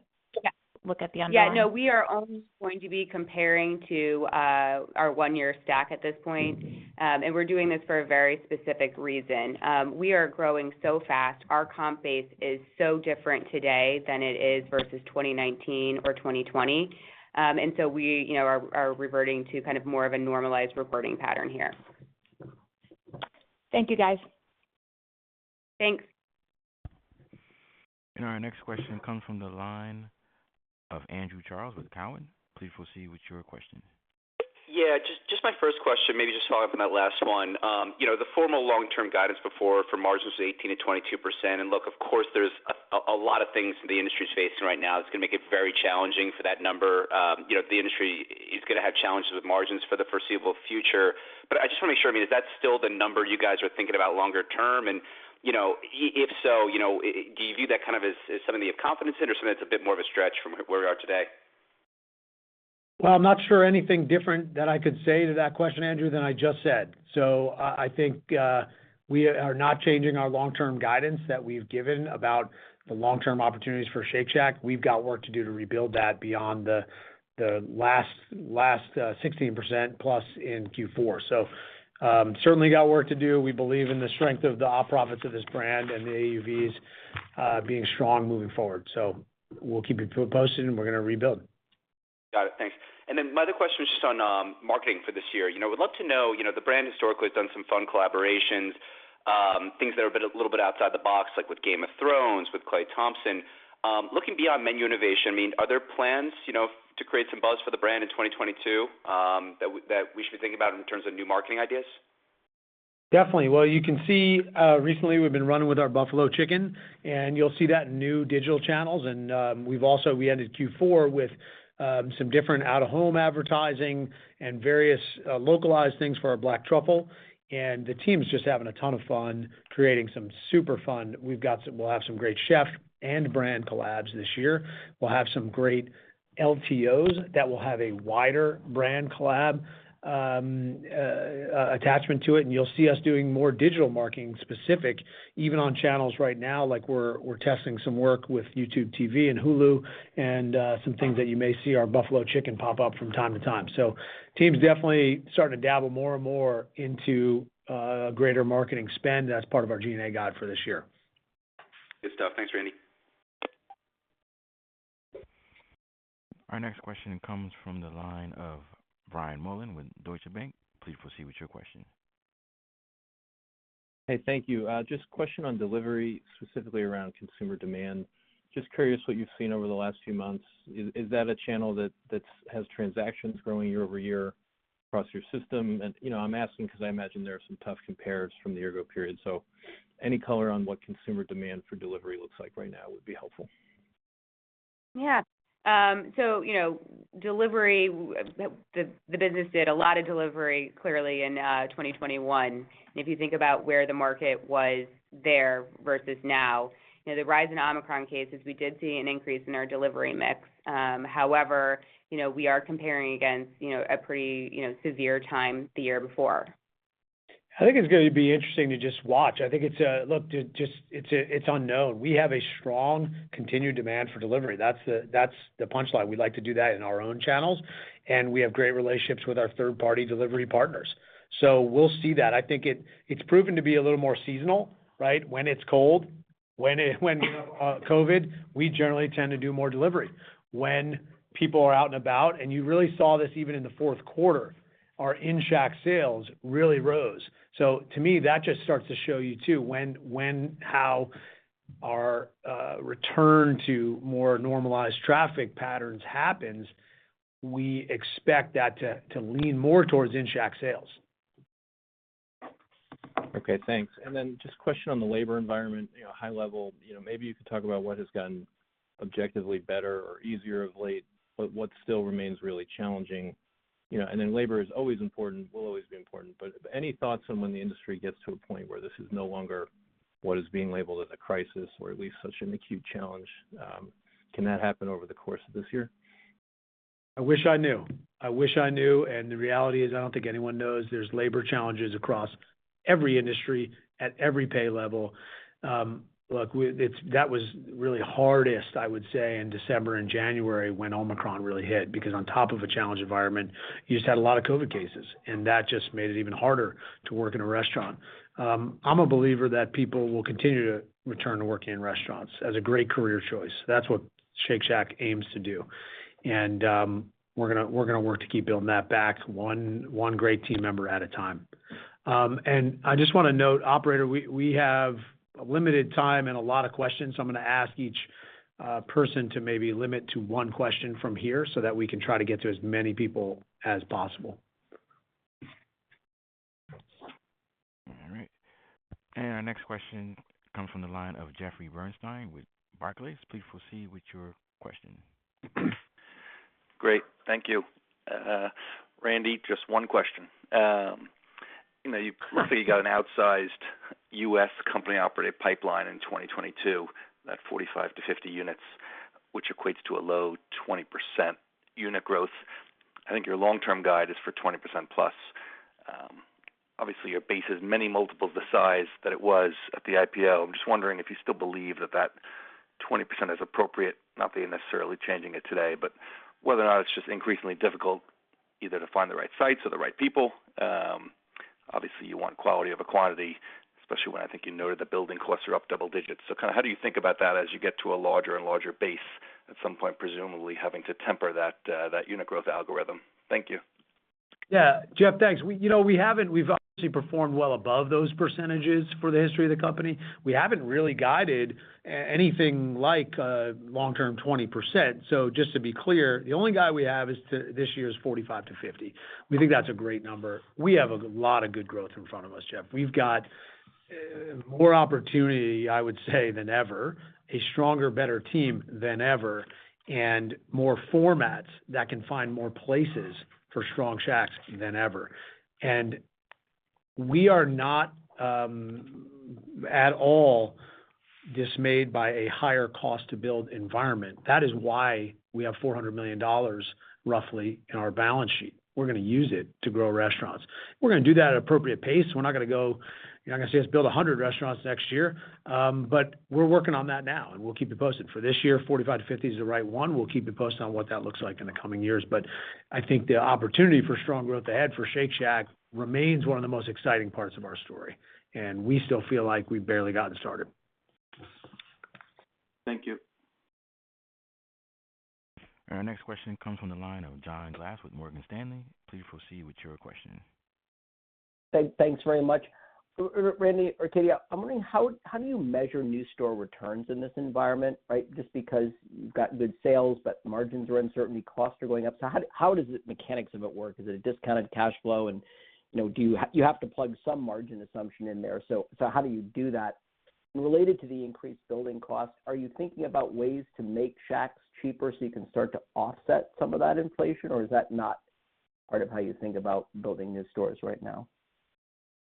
yeah, look at the underlying. Yeah, no, we are only going to be comparing to our one-year stack at this point. We're doing this for a very specific reason. We are growing so fast. Our comp base is so different today than it is versus 2019 or 2020. We, you know, are reverting to kind of more of a normalized reporting pattern here. Thank you, guys. Thanks. Our next question comes from the line of Andrew Charles with Cowen. Please proceed with your question. Yeah, just my first question, maybe just following up from that last one. You know, the formal long-term guidance before for margins was 18%-22%. Look, of course there's a lot of things the industry is facing right now that's gonna make it very challenging for that number. You know, the industry is gonna have challenges with margins for the foreseeable future. But I just wanna make sure, I mean, is that still the number you guys are thinking about longer term? You know, if so, you know, do you view that kind of as something you have confidence in or something that's a bit more of a stretch from where we are today? Well, I'm not sure anything different that I could say to that question, Andrew, than I just said. I think we are not changing our long-term guidance that we've given about the long-term opportunities for Shake Shack. We've got work to do to rebuild that beyond the last 16%+ in Q4. Certainly got work to do. We believe in the strength of the op profits of this brand and the AUVs being strong moving forward. We'll keep you posted, and we're going to rebuild. Got it. Thanks. My other question is just on marketing for this year. You know, we'd love to know, you know, the brand historically has done some fun collaborations, things that are a bit, a little bit outside the box, like with Game of Thrones, with Klay Thompson. Looking beyond menu innovation, I mean, are there plans, you know, to create some buzz for the brand in 2022, that we should be thinking about in terms of new marketing ideas? Definitely. Well, you can see recently we've been running with our Buffalo Chicken, and you'll see that in new digital channels. We've also ended Q4 with some different out-of-home advertising and various localized things for our Black Truffle. The team's just having a ton of fun creating some super fun. We'll have some great chef and brand collabs this year. We'll have some great LTOs that will have a wider brand collab attachment to it, and you'll see us doing more digital marketing specific even on channels right now. Like we're testing some work with YouTube TV and Hulu and some things that you may see our Buffalo Chicken pop up from time to time. Team's definitely starting to dabble more and more into greater marketing spend. That's part of our G&A guide for this year. Good stuff. Thanks, Randy. Our next question comes from the line of Brian Mullan with Deutsche Bank. Please proceed with your question. Hey, thank you. Just question on delivery, specifically around consumer demand. Just curious what you've seen over the last few months. Is that a channel that has transactions growing year-over-year across your system? And, you know, I'm asking because I imagine there are some tough compares from the year ago period. Any color on what consumer demand for delivery looks like right now would be helpful. Yeah. So, you know, delivery, the business did a lot of delivery clearly in 2021. If you think about where the market was there versus now, you know, the rise in Omicron cases, we did see an increase in our delivery mix. However, you know, we are comparing against a pretty severe time the year before. I think it's going to be interesting to just watch. I think it's unknown. We have a strong continued demand for delivery. That's the punchline. We like to do that in our own channels, and we have great relationships with our third-party delivery partners. We'll see that. I think it's proven to be a little more seasonal, right? When it's cold, when COVID, we generally tend to do more delivery. When people are out and about, and you really saw this even in the fourth quarter, our in-Shack sales really rose. To me, that just starts to show you too, when our return to more normalized traffic patterns happens, we expect that to lean more towards in-Shack sales. Okay, thanks. Just a question on the labor environment, you know, high level. You know, maybe you could talk about what has gotten objectively better or easier of late, but what still remains really challenging. You know, labor is always important, will always be important, but any thoughts on when the industry gets to a point where this is no longer what is being labeled as a crisis or at least such an acute challenge? Can that happen over the course of this year? I wish I knew. The reality is, I don't think anyone knows. There's labor challenges across every industry at every pay level. Look, that was really hardest, I would say, in December and January when Omicron really hit. Because on top of a challenged environment, you just had a lot of COVID cases, and that just made it even harder to work in a restaurant. I'm a believer that people will continue to return to working in restaurants as a great career choice. That's what Shake Shack aims to do. We're gonna work to keep building that back one great team member at a time. I just want to note, operator, we have limited time and a lot of questions. I'm going to ask each person to maybe limit to one question from here so that we can try to get to as many people as possible. All right. Our next question comes from the line of Jeffrey Bernstein with Barclays. Please proceed with your question. Great. Thank you. Randy, just one question. You know, you've got an outsized U.S. company-operated pipeline in 2022, that 45-50 units, which equates to a low 20% unit growth. I think your long-term guide is for 20%+. Obviously, your base is many multiples the size that it was at the IPO. I'm just wondering if you still believe that twenty percent is appropriate, not that you're necessarily changing it today. Whether or not it's just increasingly difficult either to find the right sites or the right people. Obviously, you want quality over quantity, especially when I think you noted the building costs are up double digits. Kind of how do you think about that as you get to a larger and larger base at some point, presumably having to temper that unit growth algorithm? Thank you. Yeah. Jeff, thanks. We've obviously performed well above those percentages for the history of the company. We haven't really guided anything like long-term 20%. So just to be clear, the only guide we have is this year is 45%-50%. We think that's a great number. We have a lot of good growth in front of us, Jeff. We've got more opportunity, I would say, than ever, a stronger, better team than ever, and more formats that can find more places for strong Shacks than ever. We are not at all dismayed by a higher cost to build environment. That is why we have roughly $400 million in our balance sheet. We're gonna use it to grow restaurants. We're gonna do that at appropriate pace. We're not gonna go. You're not gonna see us build 100 restaurants next year. We're working on that now, and we'll keep you posted. For this year, 45-50 is the right one. We'll keep you posted on what that looks like in the coming years. I think the opportunity for strong growth ahead for Shake Shack remains one of the most exciting parts of our story, and we still feel like we've barely gotten started. Thank you. Our next question comes from the line of John Glass with Morgan Stanley. Please proceed with your question. Thanks very much. Randy or Katie, I'm wondering how do you measure new store returns in this environment, right? Just because you've got good sales, but margins are uncertain, costs are going up. How does the mechanics of it work? Is it a discounted cash flow? You know, do you have to plug some margin assumption in there. So how do you do that? Related to the increased building cost, are you thinking about ways to make Shacks cheaper so you can start to offset some of that inflation, or is that not part of how you think about building new stores right now?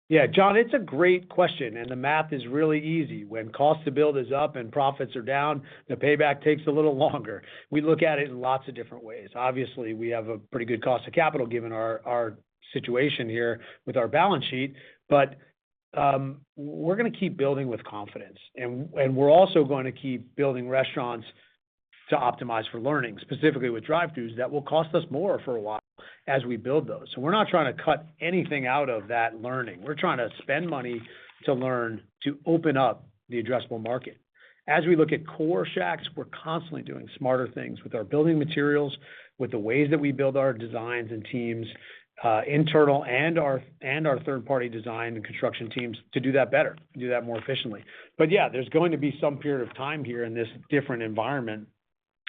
Yeah, John, it's a great question, and the math is really easy. When cost to build is up and profits are down, the payback takes a little longer. We look at it in lots of different ways. Obviously, we have a pretty good cost of capital given our situation here with our balance sheet, but we're gonna keep building with confidence. We're also going to keep building restaurants to optimize for learning, specifically with drive-throughs that will cost us more for a while as we build those. We're not trying to cut anything out of that learning. We're trying to spend money to learn to open up the addressable market. As we look at core Shacks, we're constantly doing smarter things with our building materials, with the ways that we build our designs and teams, internal and our third-party design and construction teams to do that better, to do that more efficiently. Yeah, there's going to be some period of time here in this different environment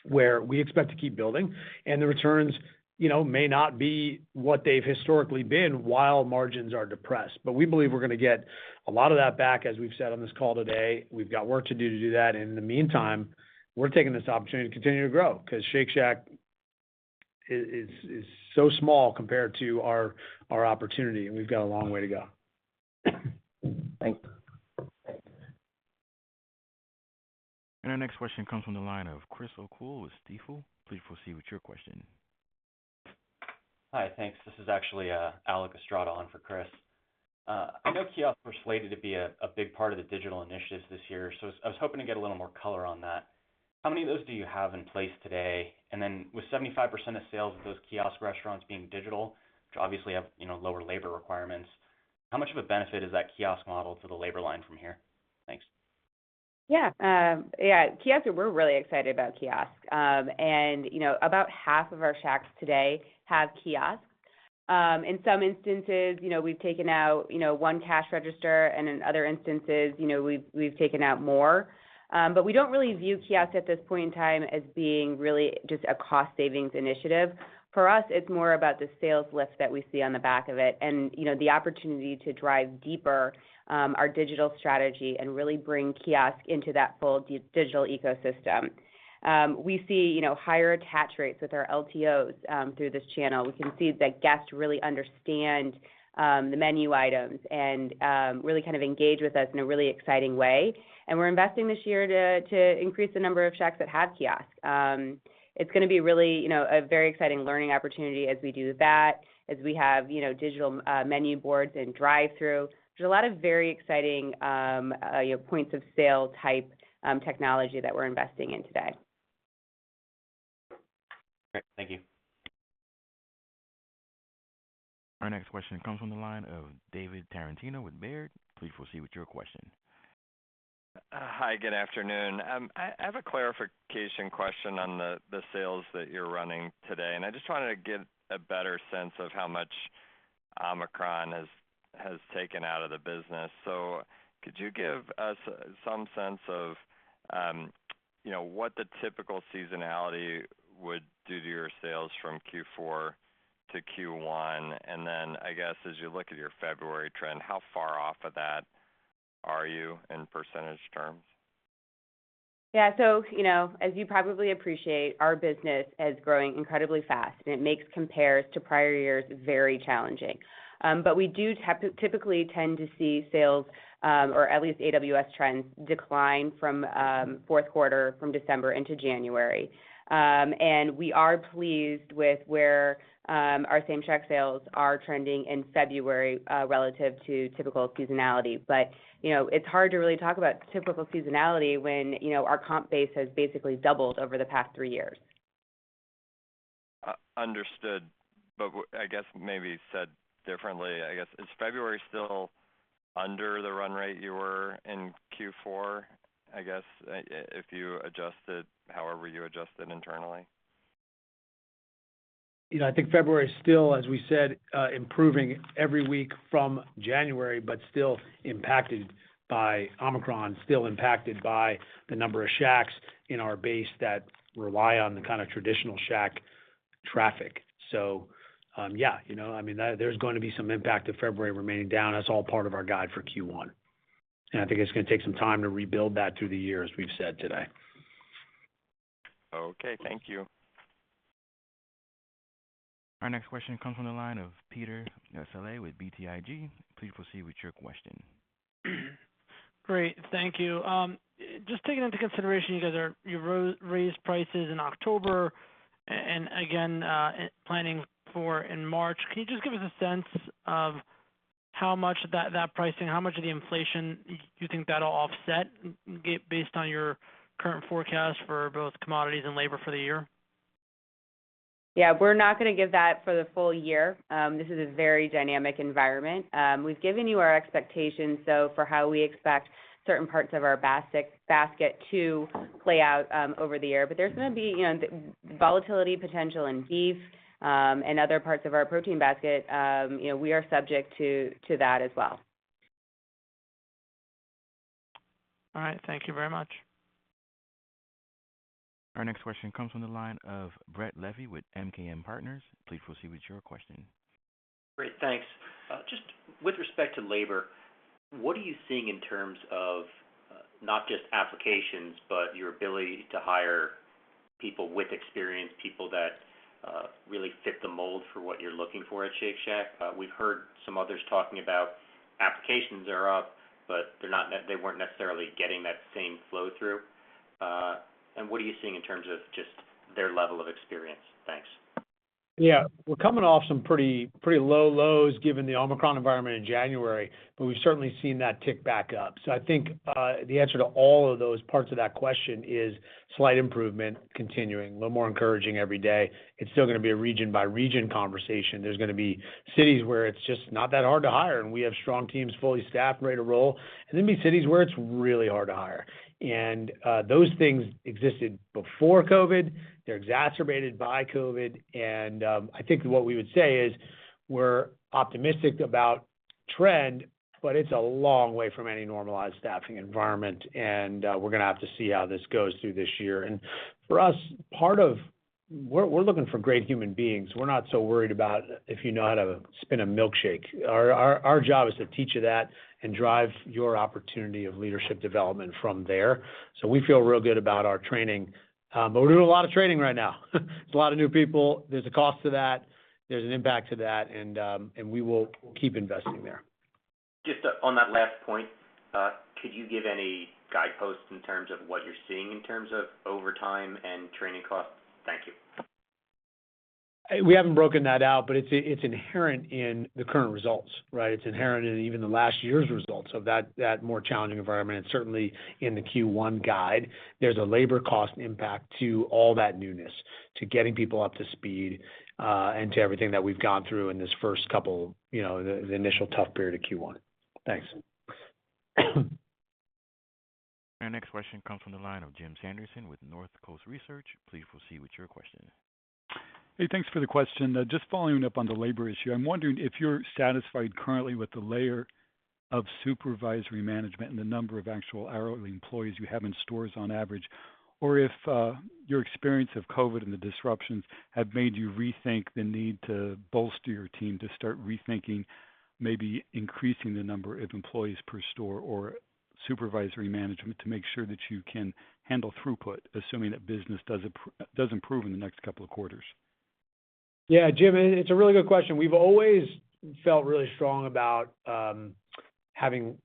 where we expect to keep building and the returns, you know, may not be what they've historically been while margins are depressed. We believe we're gonna get a lot of that back, as we've said on this call today. We've got work to do to do that. In the meantime, we're taking this opportunity to continue to grow because Shake Shack is so small compared to our opportunity, and we've got a long way to go. Thank you. Our next question comes from the line of Chris O'Cull with Stifel. Please proceed with your question. Hi, thanks. This is actually Alec Estrada on for Chris. I know kiosks were slated to be a big part of the digital initiatives this year, so I was hoping to get a little more color on that. How many of those do you have in place today? With 75% of sales of those kiosk restaurants being digital, which obviously have, you know, lower labor requirements, how much of a benefit is that kiosk model to the labor line from here? Thanks. Yeah. Yeah, kiosks, we're really excited about kiosk. You know, about half of our Shacks today have kiosks. In some instances, you know, we've taken out, you know, one cash register, and in other instances, you know, we've taken out more. We don't really view kiosks at this point in time as being really just a cost savings initiative. For us, it's more about the sales lift that we see on the back of it and, you know, the opportunity to drive deeper our digital strategy and really bring kiosk into that full digital ecosystem. We see, you know, higher attach rates with our LTOs through this channel. We can see that guests really understand the menu items and really kind of engage with us in a really exciting way. We're investing this year to increase the number of Shacks that have kiosks. It's gonna be really, you know, a very exciting learning opportunity as we do that, as we have, you know, digital menu boards and drive-thru. There's a lot of very exciting, you know, points of sale type technology that we're investing in today. Great. Thank you. Our next question comes from the line of David Tarantino with Baird. Please proceed with your question. Hi, good afternoon. I have a clarification question on the sales that you're running today, and I just wanted to get a better sense of how much Omicron has taken out of the business. Could you give us some sense of, you know, what the typical seasonality would do to your sales from Q4 to Q1? I guess, as you look at your February trend, how far off of that are you in percentage terms? Yeah. You know, as you probably appreciate, our business is growing incredibly fast, and it makes comps to prior years very challenging. We do typically tend to see sales, or at least AWS trends decline from fourth quarter from December into January. We are pleased with where our Same-Shack sales are trending in February, relative to typical seasonality. You know, it's hard to really talk about typical seasonality when our comp base has basically doubled over the past three years. Understood. I guess maybe said differently, I guess, is February still under the run rate you were in Q4, I guess, if you adjust it however you adjust it internally? You know, I think February is still, as we said, improving every week from January, but still impacted by Omicron, still impacted by the number of Shacks in our base that rely on the kind of traditional Shack traffic. So, yeah, you know, I mean, there's gonna be some impact of February remaining down. That's all part of our guide for Q1. I think it's gonna take some time to rebuild that through the year, as we've said today. Okay, thank you. Our next question comes from the line of Peter Saleh with BTIG. Please proceed with your question. Great. Thank you. Just taking into consideration you guys raised prices in October, and again, planning for in March. Can you just give us a sense of how much of that pricing, how much of the inflation you think that'll offset based on your current forecast for both commodities and labor for the year? Yeah, we're not gonna give that for the full year. This is a very dynamic environment. We've given you our expectations, though, for how we expect certain parts of our basic basket to play out over the year. There's gonna be, you know, volatility potential in beef and other parts of our protein basket. You know, we are subject to that as well. All right. Thank you very much. Our next question comes from the line of Brett Levy with MKM Partners. Please proceed with your question. Great. Thanks. Just with respect to labor, what are you seeing in terms of not just applications, but your ability to hire people with experience, people that really fit the mold for what you're looking for at Shake Shack? We've heard some others talking about applications are up, but they weren't necessarily getting that same flow through. What are you seeing in terms of just their level of experience? Thanks. Yeah. We're coming off some pretty low lows given the Omicron environment in January, but we've certainly seen that tick back up. I think the answer to all of those parts of that question is slight improvement continuing, a little more encouraging every day. It's still gonna be a region by region conversation. There's gonna be cities where it's just not that hard to hire, and we have strong teams, fully staffed, ready to roll. There'll be cities where it's really hard to hire. Those things existed before COVID. They're exacerbated by COVID. I think what we would say is we're optimistic about trend, but it's a long way from any normalized staffing environment. We're gonna have to see how this goes through this year. For us, we're looking for great human beings. We're not so worried about if you know how to spin a milkshake. Our job is to teach you that and drive your opportunity of leadership development from there. We feel real good about our training, but we're doing a lot of training right now. There's a lot of new people. There's a cost to that. There's an impact to that. We'll keep investing there. Just on that last point, could you give any guideposts in terms of what you're seeing in terms of overtime and training costs? Thank you. We haven't broken that out, but it's inherent in the current results, right? It's inherent in even the last year's results of that more challenging environment and certainly in the Q1 guide. There's a labor cost impact to all that newness, to getting people up to speed, and to everything that we've gone through in this first couple, you know, the initial tough period of Q1. Thanks. Our next question comes from the line of Jim Sanderson with Northcoast Research. Please proceed with your question. Hey, thanks for the question. Just following up on the labor issue. I'm wondering if you're satisfied currently with the layer of supervisory management and the number of actual hourly employees you have in stores on average. Or if your experience of COVID and the disruptions have made you rethink the need to bolster your team to start rethinking maybe increasing the number of employees per store or supervisory management to make sure that you can handle throughput, assuming that business does improve in the next couple of quarters. Yeah, Jim, it's a really good question. We've always felt really strong about having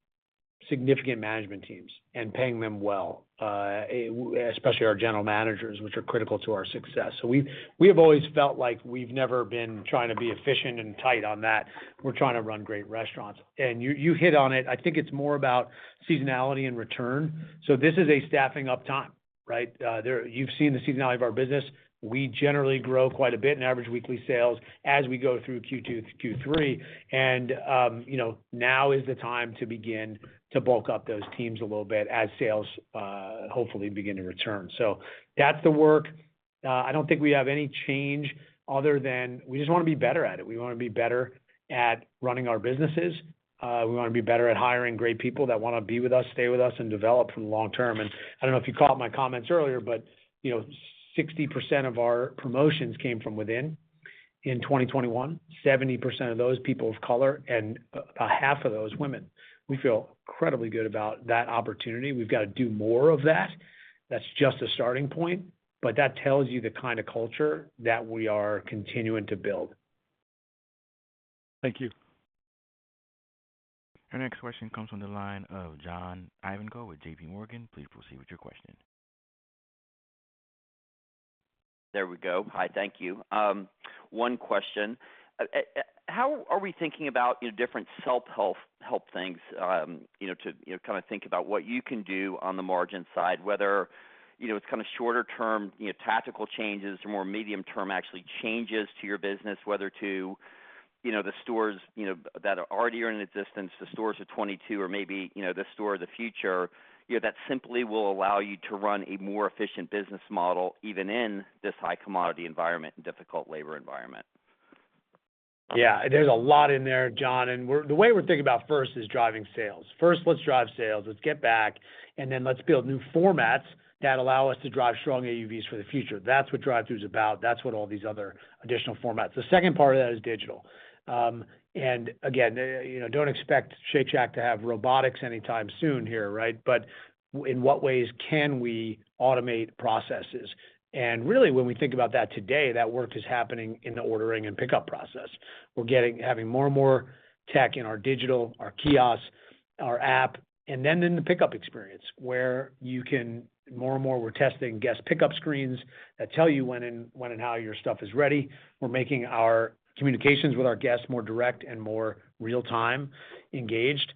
significant management teams and paying them well, especially our general managers, which are critical to our success. We have always felt like we've never been trying to be efficient and tight on that. We're trying to run great restaurants. You hit on it. I think it's more about seasonality and return. This is a staffing up time, right? You've seen the seasonality of our business. We generally grow quite a bit in average weekly sales as we go through Q2 to Q3. Now is the time to begin to bulk up those teams a little bit as sales hopefully begin to return. That's the work. I don't think we have any change other than we just wanna be better at it. We wanna be better at running our businesses. We wanna be better at hiring great people that wanna be with us, stay with us, and develop from long term. I don't know if you caught my comments earlier, but, you know, 60% of our promotions came from within in 2021, 70% of those people of color and, half of those women. We feel incredibly good about that opportunity. We've got to do more of that. That's just a starting point. That tells you the kind of culture that we are continuing to build. Thank you. Our next question comes from the line of John Ivankoe with J.P. Morgan. Please proceed with your question. There we go. Hi, thank you. One question. How are we thinking about, you know, different self-help things, you know, to, you know, kind of think about what you can do on the margin side, whether, you know, it's kind of shorter term, you know, tactical changes or more medium term actually changes to your business, whether to, you know, the stores, you know, that are already in existence, the stores of 2022, or maybe, you know, the store of the future, you know, that simply will allow you to run a more efficient business model even in this high commodity environment and difficult labor environment. Yeah, there's a lot in there, John. We're the way we're thinking about first is driving sales. First, let's drive sales, let's get back, and then let's build new formats that allow us to drive strong AUVs for the future. That's what drive-thru is about. That's what all these other additional formats. The second part of that is digital. Again, don't expect Shake Shack to have robotics anytime soon here, right? But in what ways can we automate processes? Really, when we think about that today, that work is happening in the ordering and pickup process. We're having more and more tech in our digital, our kiosks, our app, and then in the pickup experience, more and more we're testing guest pickup screens that tell you when and how your stuff is ready. We're making our communications with our guests more direct and more real-time engaged.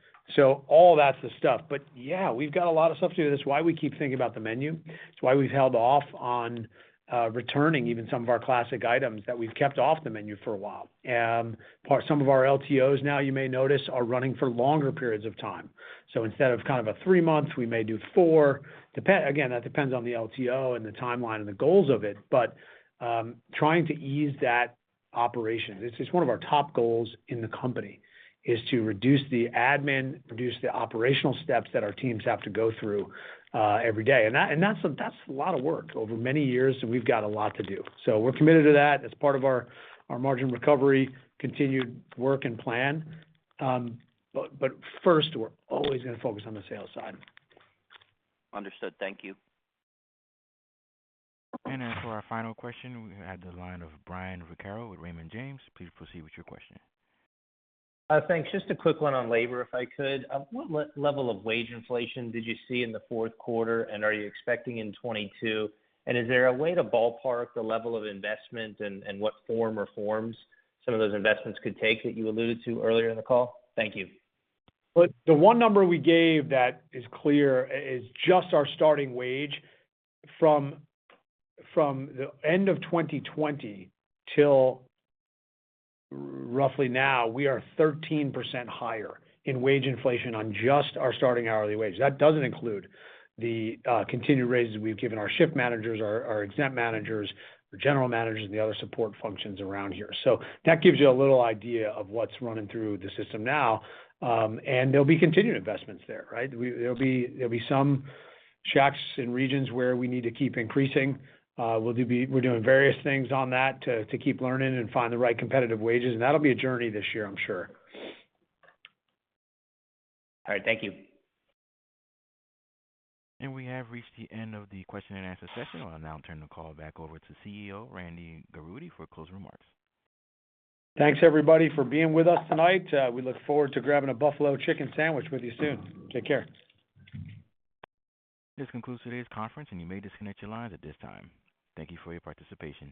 All that's the stuff. Yeah, we've got a lot of stuff to do. That's why we keep thinking about the menu. It's why we've held off on returning even some of our classic items that we've kept off the menu for a while. Some of our LTOs now you may notice are running for longer periods of time. Instead of kind of a three months, we may do four. That depends on the LTO and the timeline and the goals of it, but trying to ease that operation. It's one of our top goals in the company, is to reduce the admin, reduce the operational steps that our teams have to go through every day. That's a lot of work over many years, and we've got a lot to do. We're committed to that as part of our margin recovery continued work and plan. But first we're always gonna focus on the sales side. Understood. Thank you. As for our final question, we have the line of Brian Vaccaro with Raymond James. Please proceed with your question. Thanks. Just a quick one on labor, if I could. What level of wage inflation did you see in the fourth quarter, and are you expecting in 2022? Is there a way to ballpark the level of investment and what form or forms some of those investments could take that you alluded to earlier in the call? Thank you. Look, the one number we gave that is clear is just our starting wage from the end of 2020 till roughly now, we are 13% higher in wage inflation on just our starting hourly wage. That doesn't include the continued raises we've given our shift managers, our exempt managers, the general managers, and the other support functions around here. That gives you a little idea of what's running through the system now. There'll be continued investments there, right? There'll be some shacks and regions where we need to keep increasing. We're doing various things on that to keep learning and find the right competitive wages, and that'll be a journey this year, I'm sure. All right. Thank you. We have reached the end of the question and answer session. I'll now turn the call back over to CEO Randy Garutti for closing remarks. Thanks, everybody, for being with us tonight. We look forward to grabbing a Buffalo Chicken Sandwich with you soon. Take care. This concludes today's conference, and you may disconnect your lines at this time. Thank you for your participation.